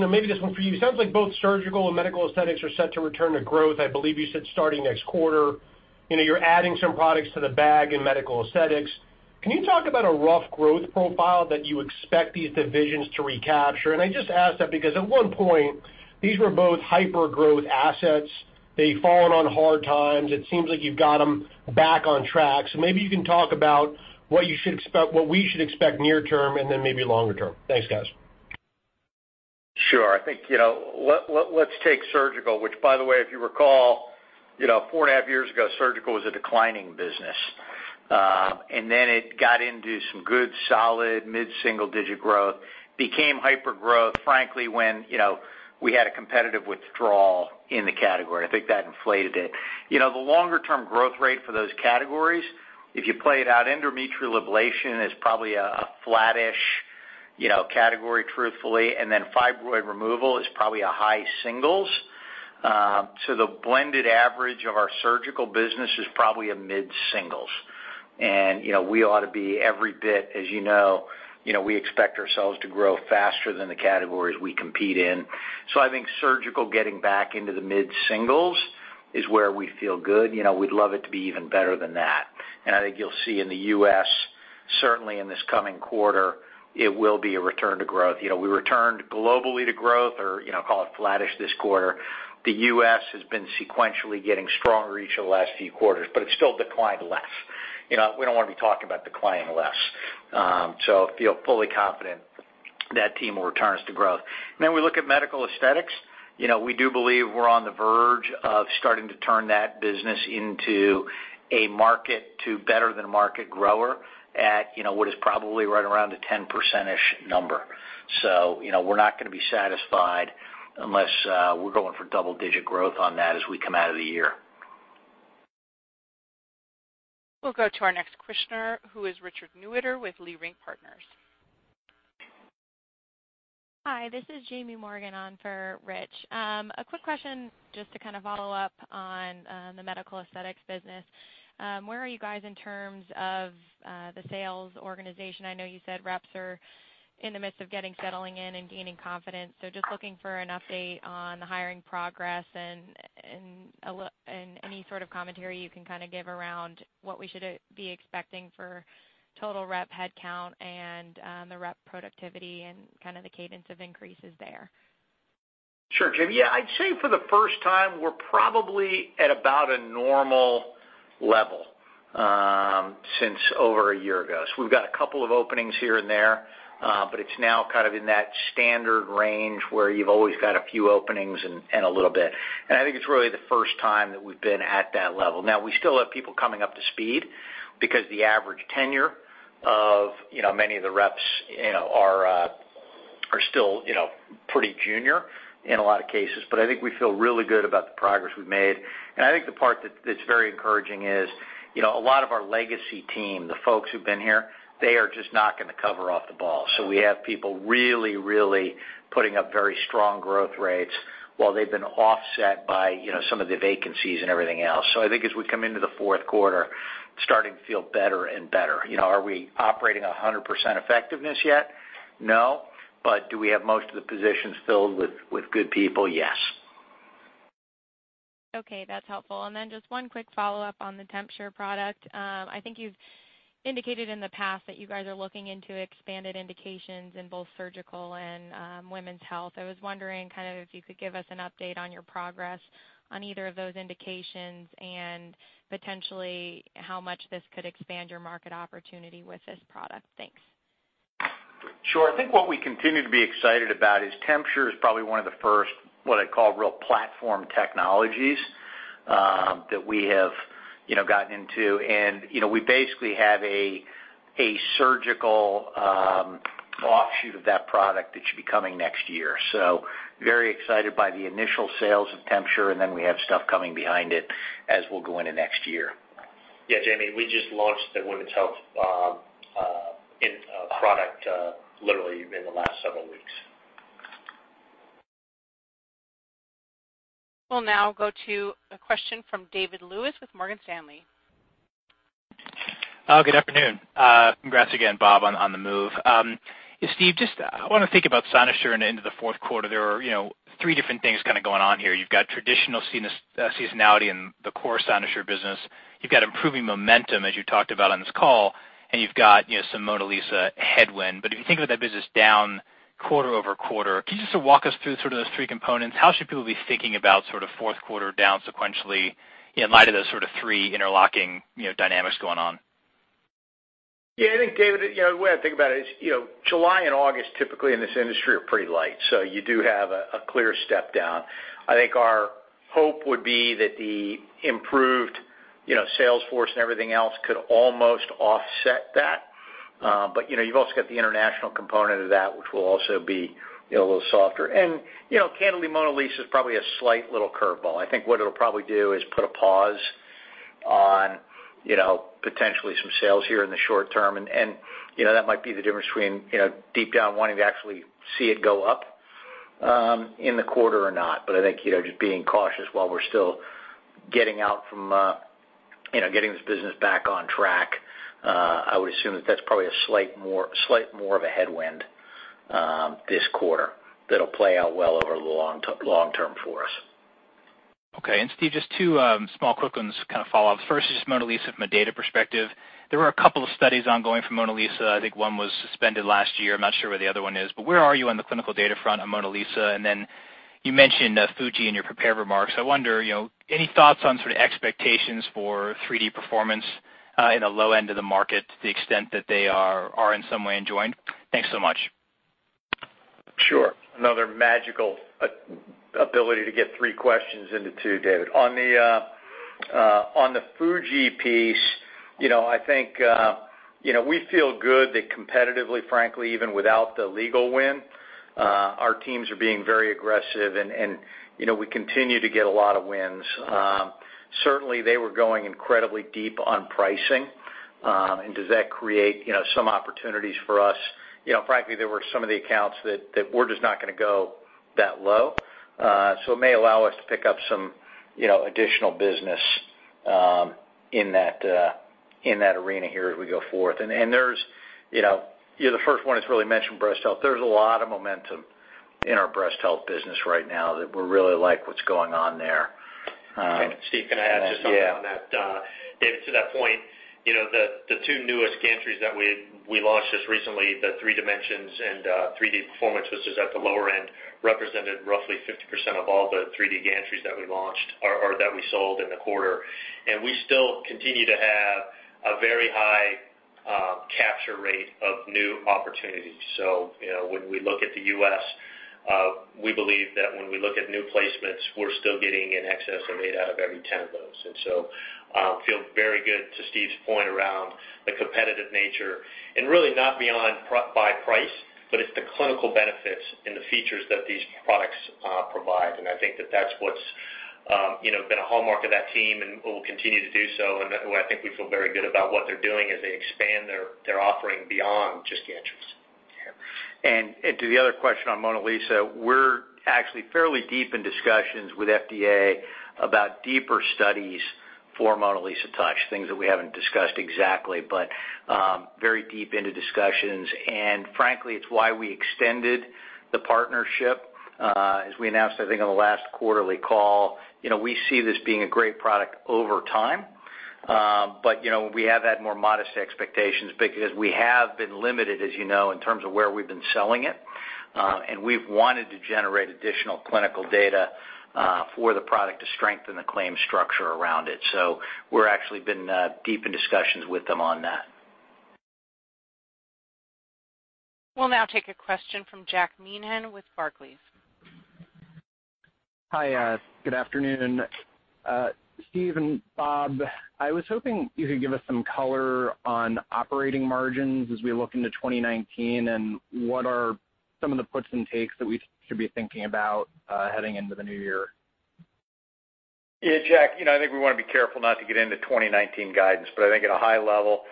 maybe this one for you. It sounds like both Surgical and Medical Aesthetics are set to return to growth. I believe you said starting next quarter. You're adding some products to the bag in Medical Aesthetics. Can you talk about a rough growth profile that you expect these divisions to recapture? I just ask that because at one point, these were both hyper-growth assets. They've fallen on hard times. It seems like you've got them back on track. Maybe you can talk about what we should expect near term and then maybe longer term. Thanks, guys. Sure. I think let's take Surgical, which by the way, if you recall, four and a half years ago, Surgical was a declining business. It got into some good, solid mid-single-digit growth, became hyper-growth, frankly, when we had a competitive withdrawal in the category. I think that inflated it. The longer-term growth rate for those categories, if you play it out, endometrial ablation is probably a flattish category, truthfully, fibroid removal is probably a high singles. The blended average of our Surgical business is probably a mid-singles. We ought to be every bit, as you know, we expect ourselves to grow faster than the categories we compete in. I think Surgical getting back into the mid-singles is where we feel good. We'd love it to be even better than that. I think you'll see in the U.S., certainly in this coming quarter, it will be a return to growth. We returned globally to growth, or call it flattish this quarter. The U.S. has been sequentially getting stronger each of the last few quarters, but it's still declined less. We don't want to be talking about declining less. I feel fully confident that team will return us to growth. We look at Medical Aesthetics. We do believe we're on the verge of starting to turn that business into a market to better than market grower at what is probably right around a 10%-ish number. We're not going to be satisfied unless we're going for double-digit growth on that as we come out of the year. We'll go to our next questioner, who is Richard Newitter with Leerink Partners. Hi, this is Jaime Morgan on for Rich. A quick question just to kind of follow up on the medical aesthetics business. Where are you guys in terms of the sales organization? I know you said reps are in the midst of getting, settling in, and gaining confidence. Just looking for an update on the hiring progress and any sort of commentary you can kind of give around what we should be expecting for total rep headcount and the rep productivity and kind of the cadence of increases there. Sure, Jaime. Yeah, I'd say for the first time, we're probably at about a normal level since over a year ago. We've got a couple of openings here and there, but it's now kind of in that standard range where you've always got a few openings and a little bit. I think it's really the first time that we've been at that level. Now we still have people coming up to speed because the average tenure of many of the reps are still pretty junior in a lot of cases. I think we feel really good about the progress we've made, and I think the part that's very encouraging is a lot of our legacy team, the folks who've been here, they are just knocking the cover off the ball. We have people really putting up very strong growth rates while they've been offset by some of the vacancies and everything else. I think as we come into the fourth quarter, starting to feel better and better. Are we operating 100% effectiveness yet? No. Do we have most of the positions filled with good people? Yes. Okay, that's helpful. Just one quick follow-up on the TempSure product. I think you've indicated in the past that you guys are looking into expanded indications in both surgical and women's health. I was wondering if you could give us an update on your progress on either of those indications and potentially how much this could expand your market opportunity with this product. Thanks. Sure. I think what we continue to be excited about is TempSure is probably one of the first, what I'd call real platform technologies, that we have gotten into. We basically have a surgical offshoot of that product that should be coming next year. Very excited by the initial sales of TempSure, we have stuff coming behind it as we'll go into next year. Yeah, Jaime, we just launched the women's health product literally in the last several weeks. We'll now go to a question from David Lewis with Morgan Stanley. Good afternoon. Congrats again, Bob, on the move. Steve, I want to think about Cynosure and into the fourth quarter. There are three different things kind of going on here. You've got traditional seasonality in the core Cynosure business. You've got improving momentum as you talked about on this call, and you've got some MonaLisa headwind. If you think about that business down quarter-over-quarter, can you just walk us through sort of those three components? How should people be thinking about sort of fourth quarter down sequentially in light of those sort of three interlocking dynamics going on? Yeah, I think David, the way I think about it is July and August typically in this industry are pretty light. You do have a clear step down. I think our hope would be that the improved sales force and everything else could almost offset that. You've also got the international component of that, which will also be a little softer. Candidly, MonaLisa is probably a slight little curveball. I think what it'll probably do is put a pause on potentially some sales here in the short term, and that might be the difference between deep down wanting to actually see it go up in the quarter or not. I think just being cautious while we're still getting this business back on track, I would assume that that's probably a slight more of a headwind this quarter that'll play out well over the long term for us. Okay. Steve, just two small quick ones, kind of follow-ups. First, just MonaLisa from a data perspective. There were a couple of studies ongoing for MonaLisa. I think one was suspended last year. I'm not sure where the other one is, where are you on the clinical data front on MonaLisa? Then you mentioned Fujifilm in your prepared remarks. I wonder, any thoughts on sort of expectations for 3D Performance in the low end of the market to the extent that they are in some way enjoined? Thanks so much. Sure. Another magical ability to get three questions into two, David. On the Fujifilm piece, I think we feel good that competitively, frankly, even without the legal win, our teams are being very aggressive, and we continue to get a lot of wins. Certainly, they were going incredibly deep on pricing. Does that create some opportunities for us? Frankly, there were some of the accounts that we're just not going to go that low. It may allow us to pick up some additional business in that arena here as we go forth. You're the first one that's really mentioned breast health. There's a lot of momentum in our breast health business right now that we really like what's going on there. Steve, can I add just something on that? Yeah. David, to that point, the two newest gantries that we launched just recently, the 3Dimensions and 3D Performance, which is at the lower end, represented roughly 50% of all the 3D gantries that we sold in the quarter. We still continue to have a very high capture rate of new opportunities. When we look at the U.S., we believe that when we look at new placements, we're still getting in excess of eight out of every 10 of those. Feel very good to Steve's point around the competitive nature and really not beyond by price, but it's the clinical benefits and the features that these products provide. I think that's what's been a hallmark of that team, and we'll continue to do so. I think we feel very good about what they're doing as they expand their offering beyond just gantries. To the other question on MonaLisa, we're actually fairly deep in discussions with FDA about deeper studies for MonaLisa Touch, things that we haven't discussed exactly, but very deep into discussions. Frankly, it's why we extended the partnership, as we announced, I think, on the last quarterly call. We see this being a great product over time. We have had more modest expectations because we have been limited, as you know, in terms of where we've been selling it. We've wanted to generate additional clinical data for the product to strengthen the claim structure around it. We're actually been deep in discussions with them on that. We'll now take a question from Jack Meehan with Barclays. Hi. Good afternoon. Steve and Bob, I was hoping you could give us some color on operating margins as we look into 2019, and what are some of the puts and takes that we should be thinking about heading into the new year? Yeah, Jack, I think we want to be careful not to get into 2019 guidance, but I think at a high level,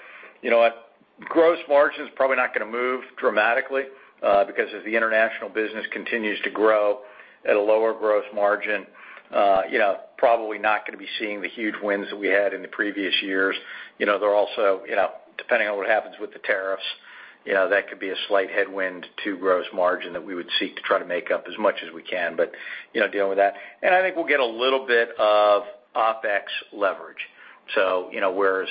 gross margin's probably not going to move dramatically, because as the international business continues to grow at a lower gross margin, probably not going to be seeing the huge wins that we had in the previous years. There are also, depending on what happens with the tariffs, that could be a slight headwind to gross margin that we would seek to try to make up as much as we can, but dealing with that. I think we'll get a little bit of OpEx leverage. Whereas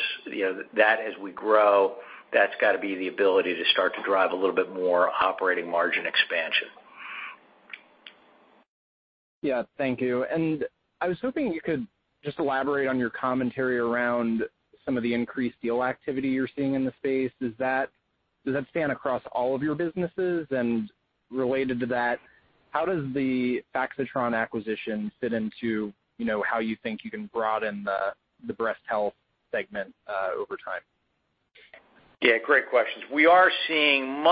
that as we grow, that's got to be the ability to start to drive a little bit more operating margin expansion. Yeah. Thank you. I was hoping you could just elaborate on your commentary around some of the increased deal activity you're seeing in the space. Does that span across all of your businesses? Related to that, how does the Faxitron acquisition fit into how you think you can broaden the breast health segment over time? Yeah. Great questions. We are seeing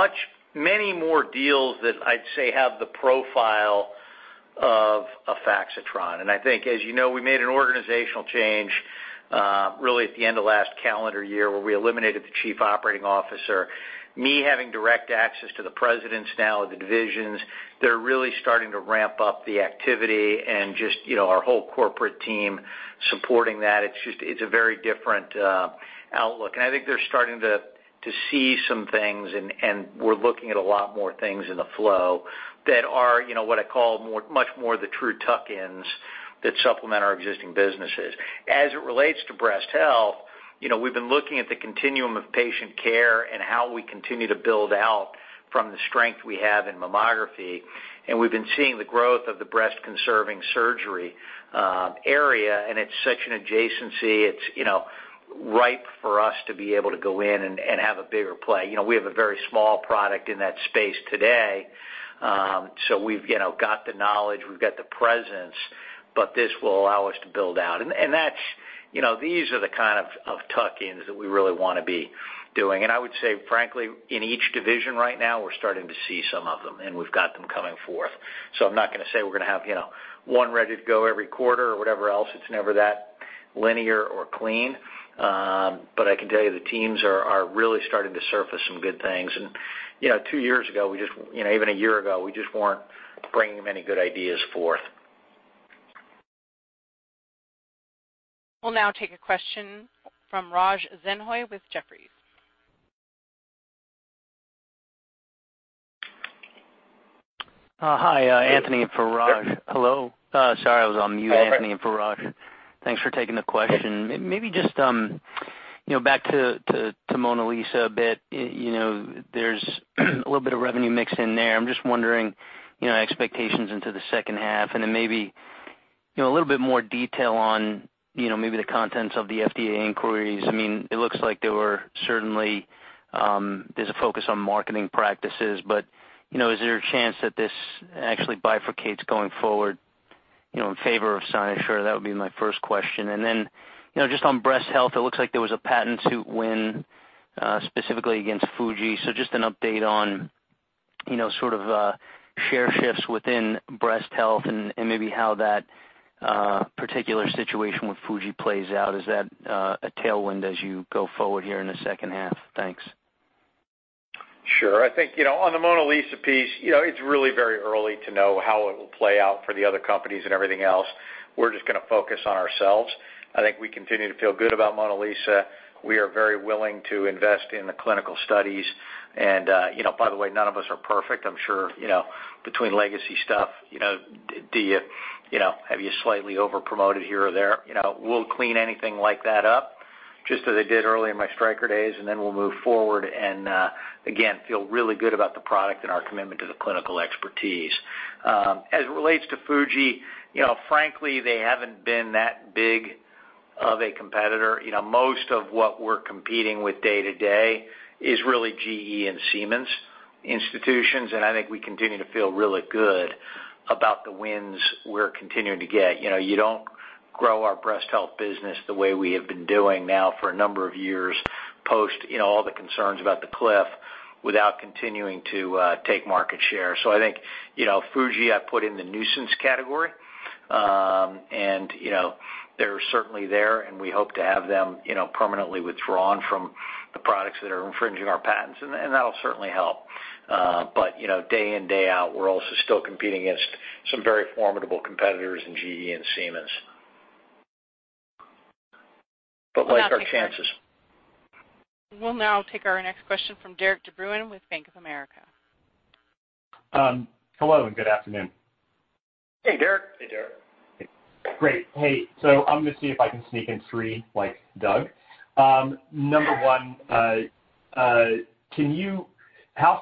many more deals that I'd say have the profile of a Faxitron. I think, as you know, we made an organizational change really at the end of last calendar year, where we eliminated the chief operating officer. Me having direct access to the presidents now of the divisions, they're really starting to ramp up the activity and just our whole corporate team supporting that. It's a very different outlook. I think they're starting to see some things and we're looking at a lot more things in the flow that are what I call much more the true tuck-ins that supplement our existing businesses. As it relates to breast health, we've been looking at the continuum of patient care and how we continue to build out from the strength we have in mammography. We've been seeing the growth of the breast-conserving surgery area, and it's such an adjacency. It's ripe for us to be able to go in and have a bigger play. We have a very small product in that space today. We've got the knowledge, we've got the presence, but this will allow us to build out. These are the kind of tuck-ins that we really want to be doing. I would say, frankly, in each division right now, we're starting to see some of them, and we've got them coming forth. I'm not going to say we're going to have one ready to go every quarter or whatever else. It's never that linear or clean. I can tell you, the teams are really starting to surface some good things. Two years ago, even a year ago, we just weren't bringing many good ideas forth. We'll now take a question from Raj Denhoy with Jefferies. Hi, Anthony for Raj. Hello. Sorry, I was on mute. No, that's all right. Anthony for Raj. Thanks for taking the question. Maybe just back to MonaLisa a bit. There's a little bit of revenue mix in there. I'm just wondering expectations into the second half and then maybe a little bit more detail on maybe the contents of the FDA inquiries. It looks like there were certainly, there's a focus on marketing practices, is there a chance that this actually bifurcates going forward in favor of Cynosure? That would be my first question. Just on breast health, it looks like there was a patent suit win specifically against Fujifilm. Just an update on sort of share shifts within breast health and maybe how that particular situation with Fujifilm plays out. Is that a tailwind as you go forward here in the second half? Thanks. Sure. I think on the MonaLisa piece, it's really very early to know how it will play out for the other companies and everything else. We're just going to focus on ourselves. I think we continue to feel good about MonaLisa. We are very willing to invest in the clinical studies. By the way, none of us are perfect. I'm sure between legacy stuff, have you slightly over-promoted here or there? We'll clean anything like that up, just as I did early in my Stryker days, we'll move forward, feel really good about the product and our commitment to the clinical expertise. As it relates to Fuji, frankly, they haven't been that big of a competitor. Most of what we're competing with day to day is really GE and Siemens institutions. I think we continue to feel really good about the wins we're continuing to get. You don't grow our breast health business the way we have been doing now for a number of years post all the concerns about the cliff without continuing to take market share. I think Fuji, I put in the nuisance category. They're certainly there. We hope to have them permanently withdrawn from the products that are infringing our patents. That'll certainly help. Day in, day out, we're also still competing against some very formidable competitors in GE and Siemens. Like our chances. We'll now take our next question from Derik de Bruin with Bank of America. Hello. Good afternoon. Hey, Derik. Hey, Derik. Great. Hey, I'm going to see if I can sneak in 3, like Doug. Number one, how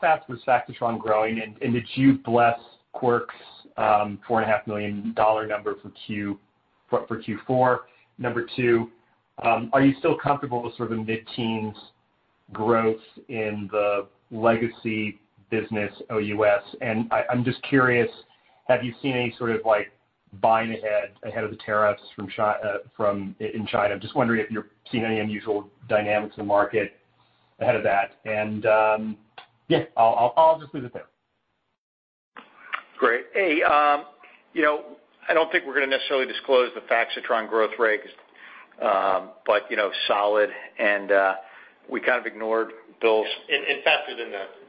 fast was Faxitron growing, and did you bless Quirk's $4.5 million number for Q4? Number two, are you still comfortable with sort of mid-teens growth in the legacy business, OUS? I'm just curious, have you seen any sort of buying ahead of the tariffs in China? I'm just wondering if you're seeing any unusual dynamics in the market ahead of that. Yeah, I'll just leave it there. Great. Hey, I don't think we're going to necessarily disclose the Faxitron growth rate. Solid, and we kind of ignored Bill's. Faster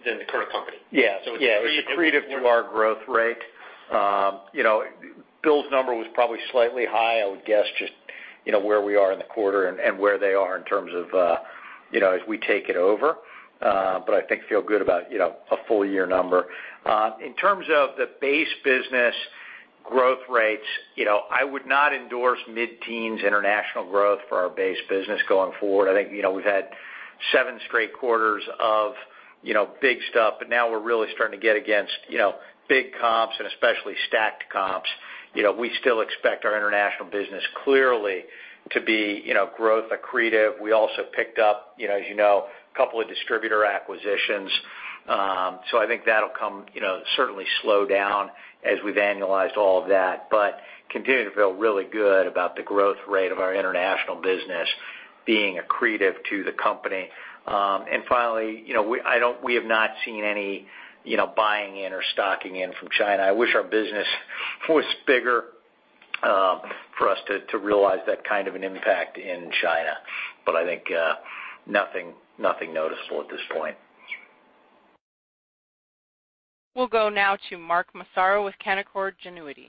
than the current company. Yeah. it's accretive- It's accretive to our growth rate. Bill's number was probably slightly high, I would guess, just where we are in the quarter and where they are in terms of as we take it over. I think, feel good about a full-year number. In terms of the base business growth rates, I would not endorse mid-teens international growth for our base business going forward. I think we've had seven straight quarters of big stuff, but now we're really starting to get against big comps and especially stacked comps. We still expect our international business clearly to be growth accretive. We also picked up, as you know, a couple of distributor acquisitions. I think that'll certainly slow down as we've annualized all of that. Continue to feel really good about the growth rate of our international business being accretive to the company. Finally, we have not seen any buying in or stocking in from China. I wish our business was bigger for us to realize that kind of an impact in China. I think nothing noticeable at this point. We'll go now to Mark Massaro with Canaccord Genuity.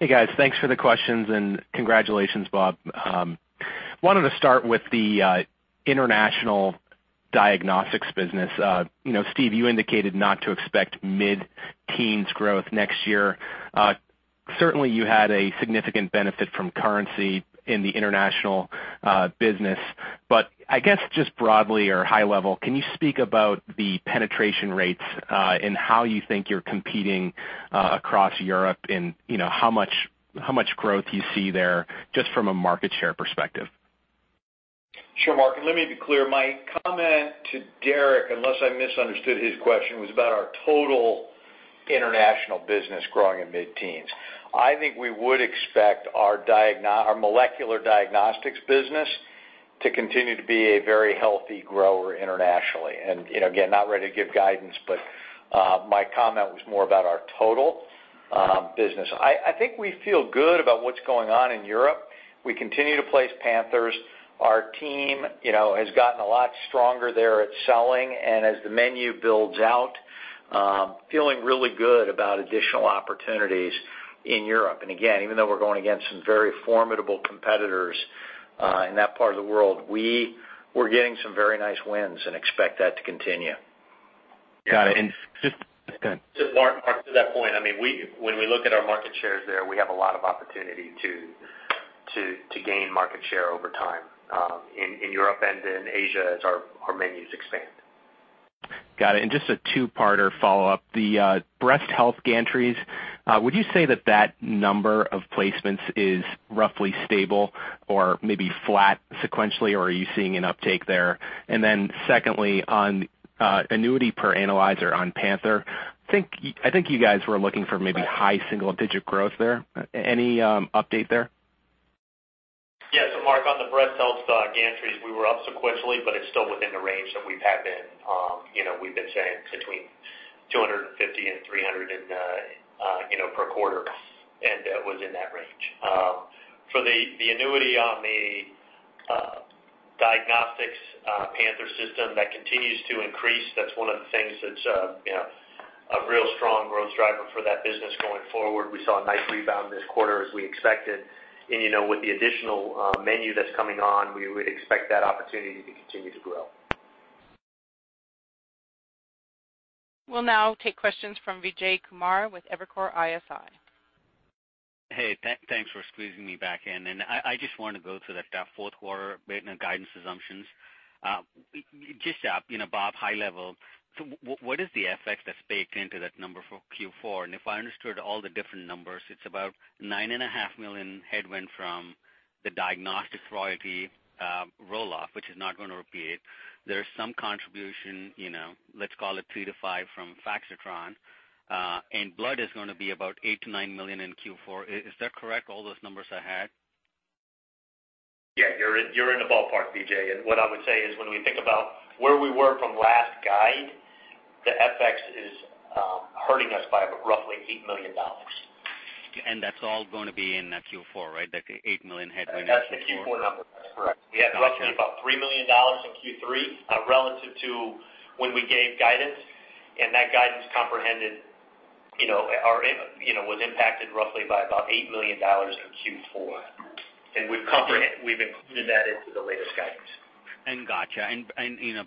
Hey, guys. Thanks for the questions, and congratulations, Bob. Wanted to start with the international diagnostics business. Steve, you indicated not to expect mid-teens growth next year. Certainly, you had a significant benefit from currency in the international business. I guess just broadly or high level, can you speak about the penetration rates and how you think you're competing across Europe and how much growth you see there just from a market share perspective? Sure, Mark, let me be clear. My comment to Derik, unless I misunderstood his question, was about our total international business growing in mid-teens. I think we would expect our molecular diagnostics business to continue to be a very healthy grower internationally. Again, not ready to give guidance, my comment was more about our total business. I think we feel good about what's going on in Europe. We continue to place Panthers. Our team has gotten a lot stronger there at selling and as the menu builds out, feeling really good about additional opportunities in Europe. Again, even though we're going against some very formidable competitors in that part of the world, we're getting some very nice wins and expect that to continue. Got it. Go ahead. Mark, to that point, when we look at our market shares there, we have a lot of opportunity to gain market share over time in Europe and in Asia as our menus expand. Got it. Just a two-parter follow-up. The breast health gantries, would you say that that number of placements is roughly stable or maybe flat sequentially, or are you seeing an uptake there? Secondly, on annuity per analyzer on Panther, I think you guys were looking for maybe high single-digit growth there. Any update there? Yeah, Mark, on the breast health gantries, we were up sequentially, but it's still within the range that we've had been. We've been saying between 250 and 300 per quarter, and that was in that range. For the annuity on the diagnostics Panther system, that continues to increase. That's one of the things that's a real strong growth driver for that business going forward. We saw a nice rebound this quarter as we expected. With the additional menu that's coming on, we would expect that opportunity to continue to grow. We'll now take questions from Vijay Kumar with Evercore ISI. Hey. Thanks for squeezing me back in. I just want to go to that fourth quarter guidance assumptions. Just, Bob, high level, what is the effect that's baked into that number for Q4? If I understood all the different numbers, it's about $9.5 million headwind from the diagnostics royalty roll-off, which is not going to repeat. There's some contribution, let's call it three to five from Faxitron. Blood is going to be about $8 million-$9 million in Q4. Is that correct, all those numbers I had? Yeah, you're in the ballpark, BJ. What I would say is, when we think about where we were from last guide, the FX is hurting us by roughly $8 million. That's all going to be in Q4, right? That $8 million headwind in Q4? That's the Q4 number, that's correct. We had roughly about $3 million in Q3 relative to when we gave guidance, and that guidance comprehended, was impacted roughly by about $8 million in Q4. We've included that into the latest guidance. Gotcha.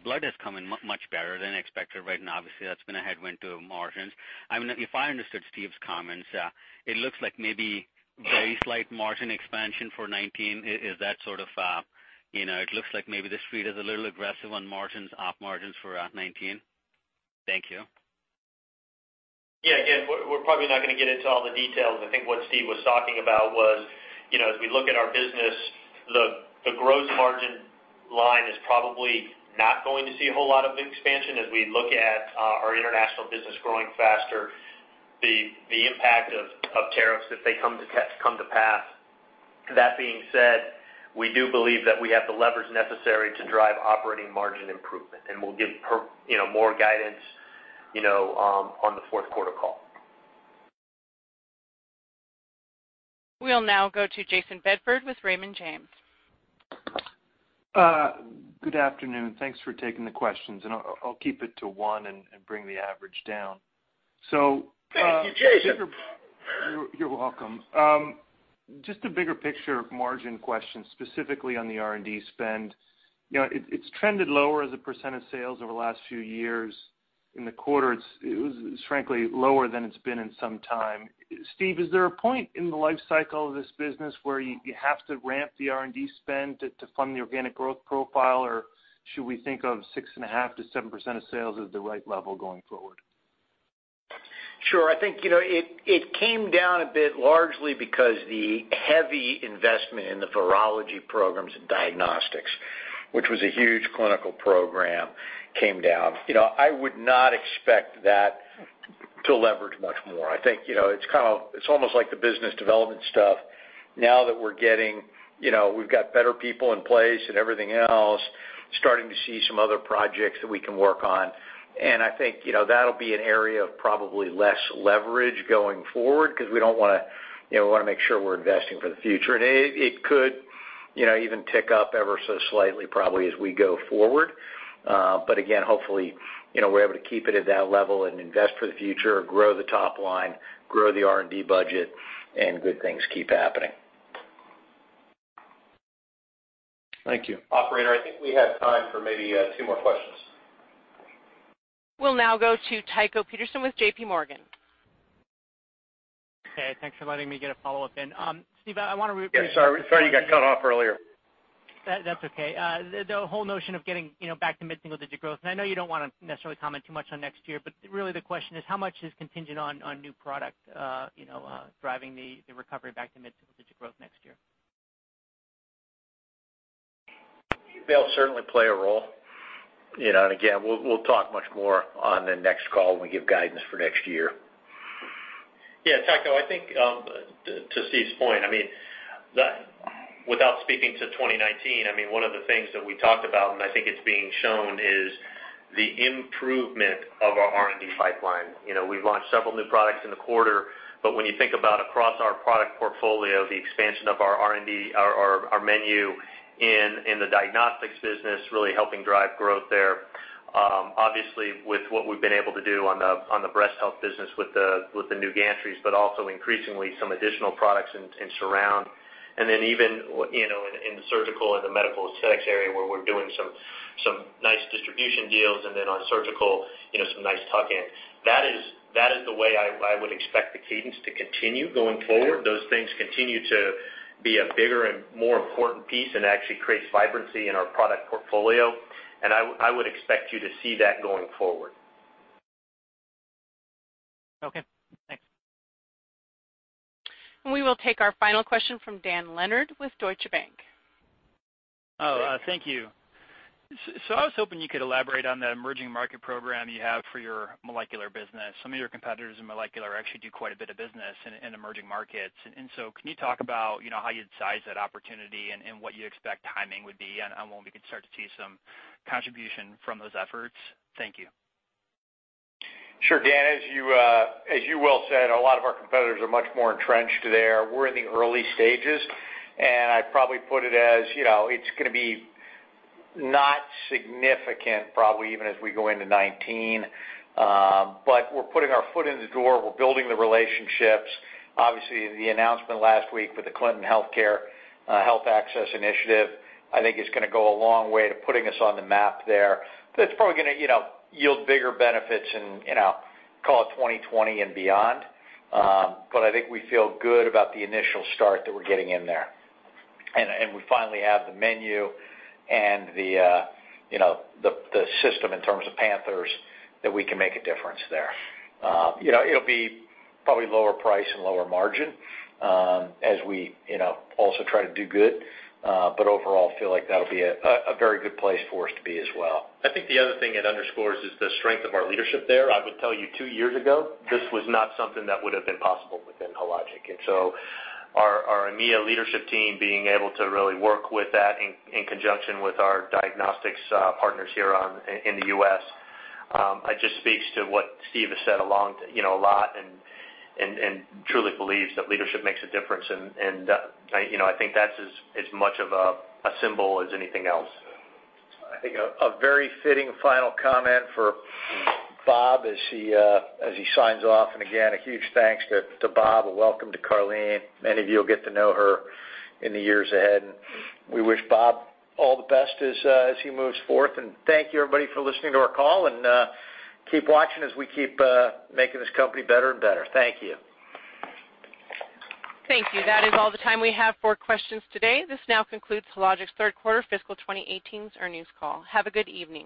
Blood is coming much better than expected right now. Obviously, that's been a headwind to margins. If I understood Steve's comments, it looks like maybe very slight margin expansion for 2019. It looks like maybe the street is a little aggressive on margins, op margins for 2019. Thank you. Yeah. Again, we're probably not going to get into all the details. I think what Steve was talking about was, as we look at our business, the gross margin line is probably not going to see a whole lot of expansion as we look at our international business growing faster, the impact of tariffs if they come to pass. That being said, we do believe that we have the leverage necessary to drive operating margin improvement, and we'll give more guidance on the fourth quarter call. We'll now go to Jayson Bedford with Raymond James. Good afternoon. Thanks for taking the questions, I'll keep it to one and bring the average down. Thank you, Jayson. You're welcome. Just a bigger picture margin question, specifically on the R&D spend. It's trended lower as a percent of sales over the last few years. In the quarter, it was frankly lower than it's been in some time. Steve, is there a point in the life cycle of this business where you have to ramp the R&D spend to fund the organic growth profile, or should we think of 6.5%-7% of sales as the right level going forward? Sure. I think it came down a bit largely because the heavy investment in the virology programs and diagnostics, which was a huge clinical program, came down. I would not expect that to leverage much more. I think it's almost like the business development stuff. Now that we've got better people in place and everything else, starting to see some other projects that we can work on. I think that'll be an area of probably less leverage going forward because we want to make sure we're investing for the future. It could even tick up ever so slightly probably as we go forward. Again, hopefully, we're able to keep it at that level and invest for the future, grow the top line, grow the R&D budget, and good things keep happening. Thank you. Operator, I think we have time for maybe two more questions. We'll now go to Tycho Peterson with J.P. Morgan. Okay, thanks for letting me get a follow-up in. Steve. Yeah, sorry you got cut off earlier. That's okay. The whole notion of getting back to mid-single digit growth, and I know you don't want to necessarily comment too much on next year, but really the question is, how much is contingent on new product driving the recovery back to mid-single digit growth next year? They'll certainly play a role. Again, we'll talk much more on the next call when we give guidance for next year. Yeah, Tycho, I think to Steve's point, without speaking to 2019, one of the things that we talked about, and I think it's being shown, is the improvement of our R&D pipeline. We've launched several new products in the quarter, but when you think about across our product portfolio, the expansion of our R&D, our menu in the diagnostics business, really helping drive growth there. Obviously, with what we've been able to do on the breast health business with the new gantries, but also increasingly some additional products in surround. Then even in the surgical and the medical aesthetics area where we're doing some nice distribution deals, and then on surgical, some nice tuck-ins. That is the way I would expect the cadence to continue going forward. Those things continue to be a bigger and more important piece and actually creates vibrancy in our product portfolio. I would expect you to see that going forward. Okay, thanks. We will take our final question from Dan Leonard with Deutsche Bank. Thank you. I was hoping you could elaborate on that emerging market program you have for your molecular business. Some of your competitors in molecular actually do quite a bit of business in emerging markets. Can you talk about how you'd size that opportunity and what you expect timing would be, and when we can start to see some contribution from those efforts? Thank you. Sure, Dan. As you well said, a lot of our competitors are much more entrenched there. We're in the early stages, I'd probably put it as it's going to be not significant, probably even as we go into 2019. We're putting our foot in the door. We're building the relationships. Obviously, the announcement last week with the Clinton Health Access Initiative I think is going to go a long way to putting us on the map there. It's probably going to yield bigger benefits in, call it 2020 and beyond. I think we feel good about the initial start that we're getting in there. We finally have the menu and the system in terms of Panther that we can make a difference there. It'll be probably lower price and lower margin as we also try to do good. Overall, I feel like that'll be a very good place for us to be as well. I think the other thing it underscores is the strength of our leadership there. I would tell you, two years ago, this was not something that would have been possible within Hologic. Our EMEA leadership team being able to really work with that in conjunction with our diagnostics partners here in the U.S., it just speaks to what Steve has said a lot, and truly believes that leadership makes a difference. I think that's as much of a symbol as anything else. I think a very fitting final comment for Bob as he signs off. Again, a huge thanks to Bob. A welcome to Karleen. Many of you will get to know her in the years ahead. We wish Bob all the best as he moves forth. Thank you, everybody, for listening to our call, and keep watching as we keep making this company better and better. Thank you. Thank you. That is all the time we have for questions today. This now concludes Hologic's third quarter fiscal 2018 earnings call. Have a good evening.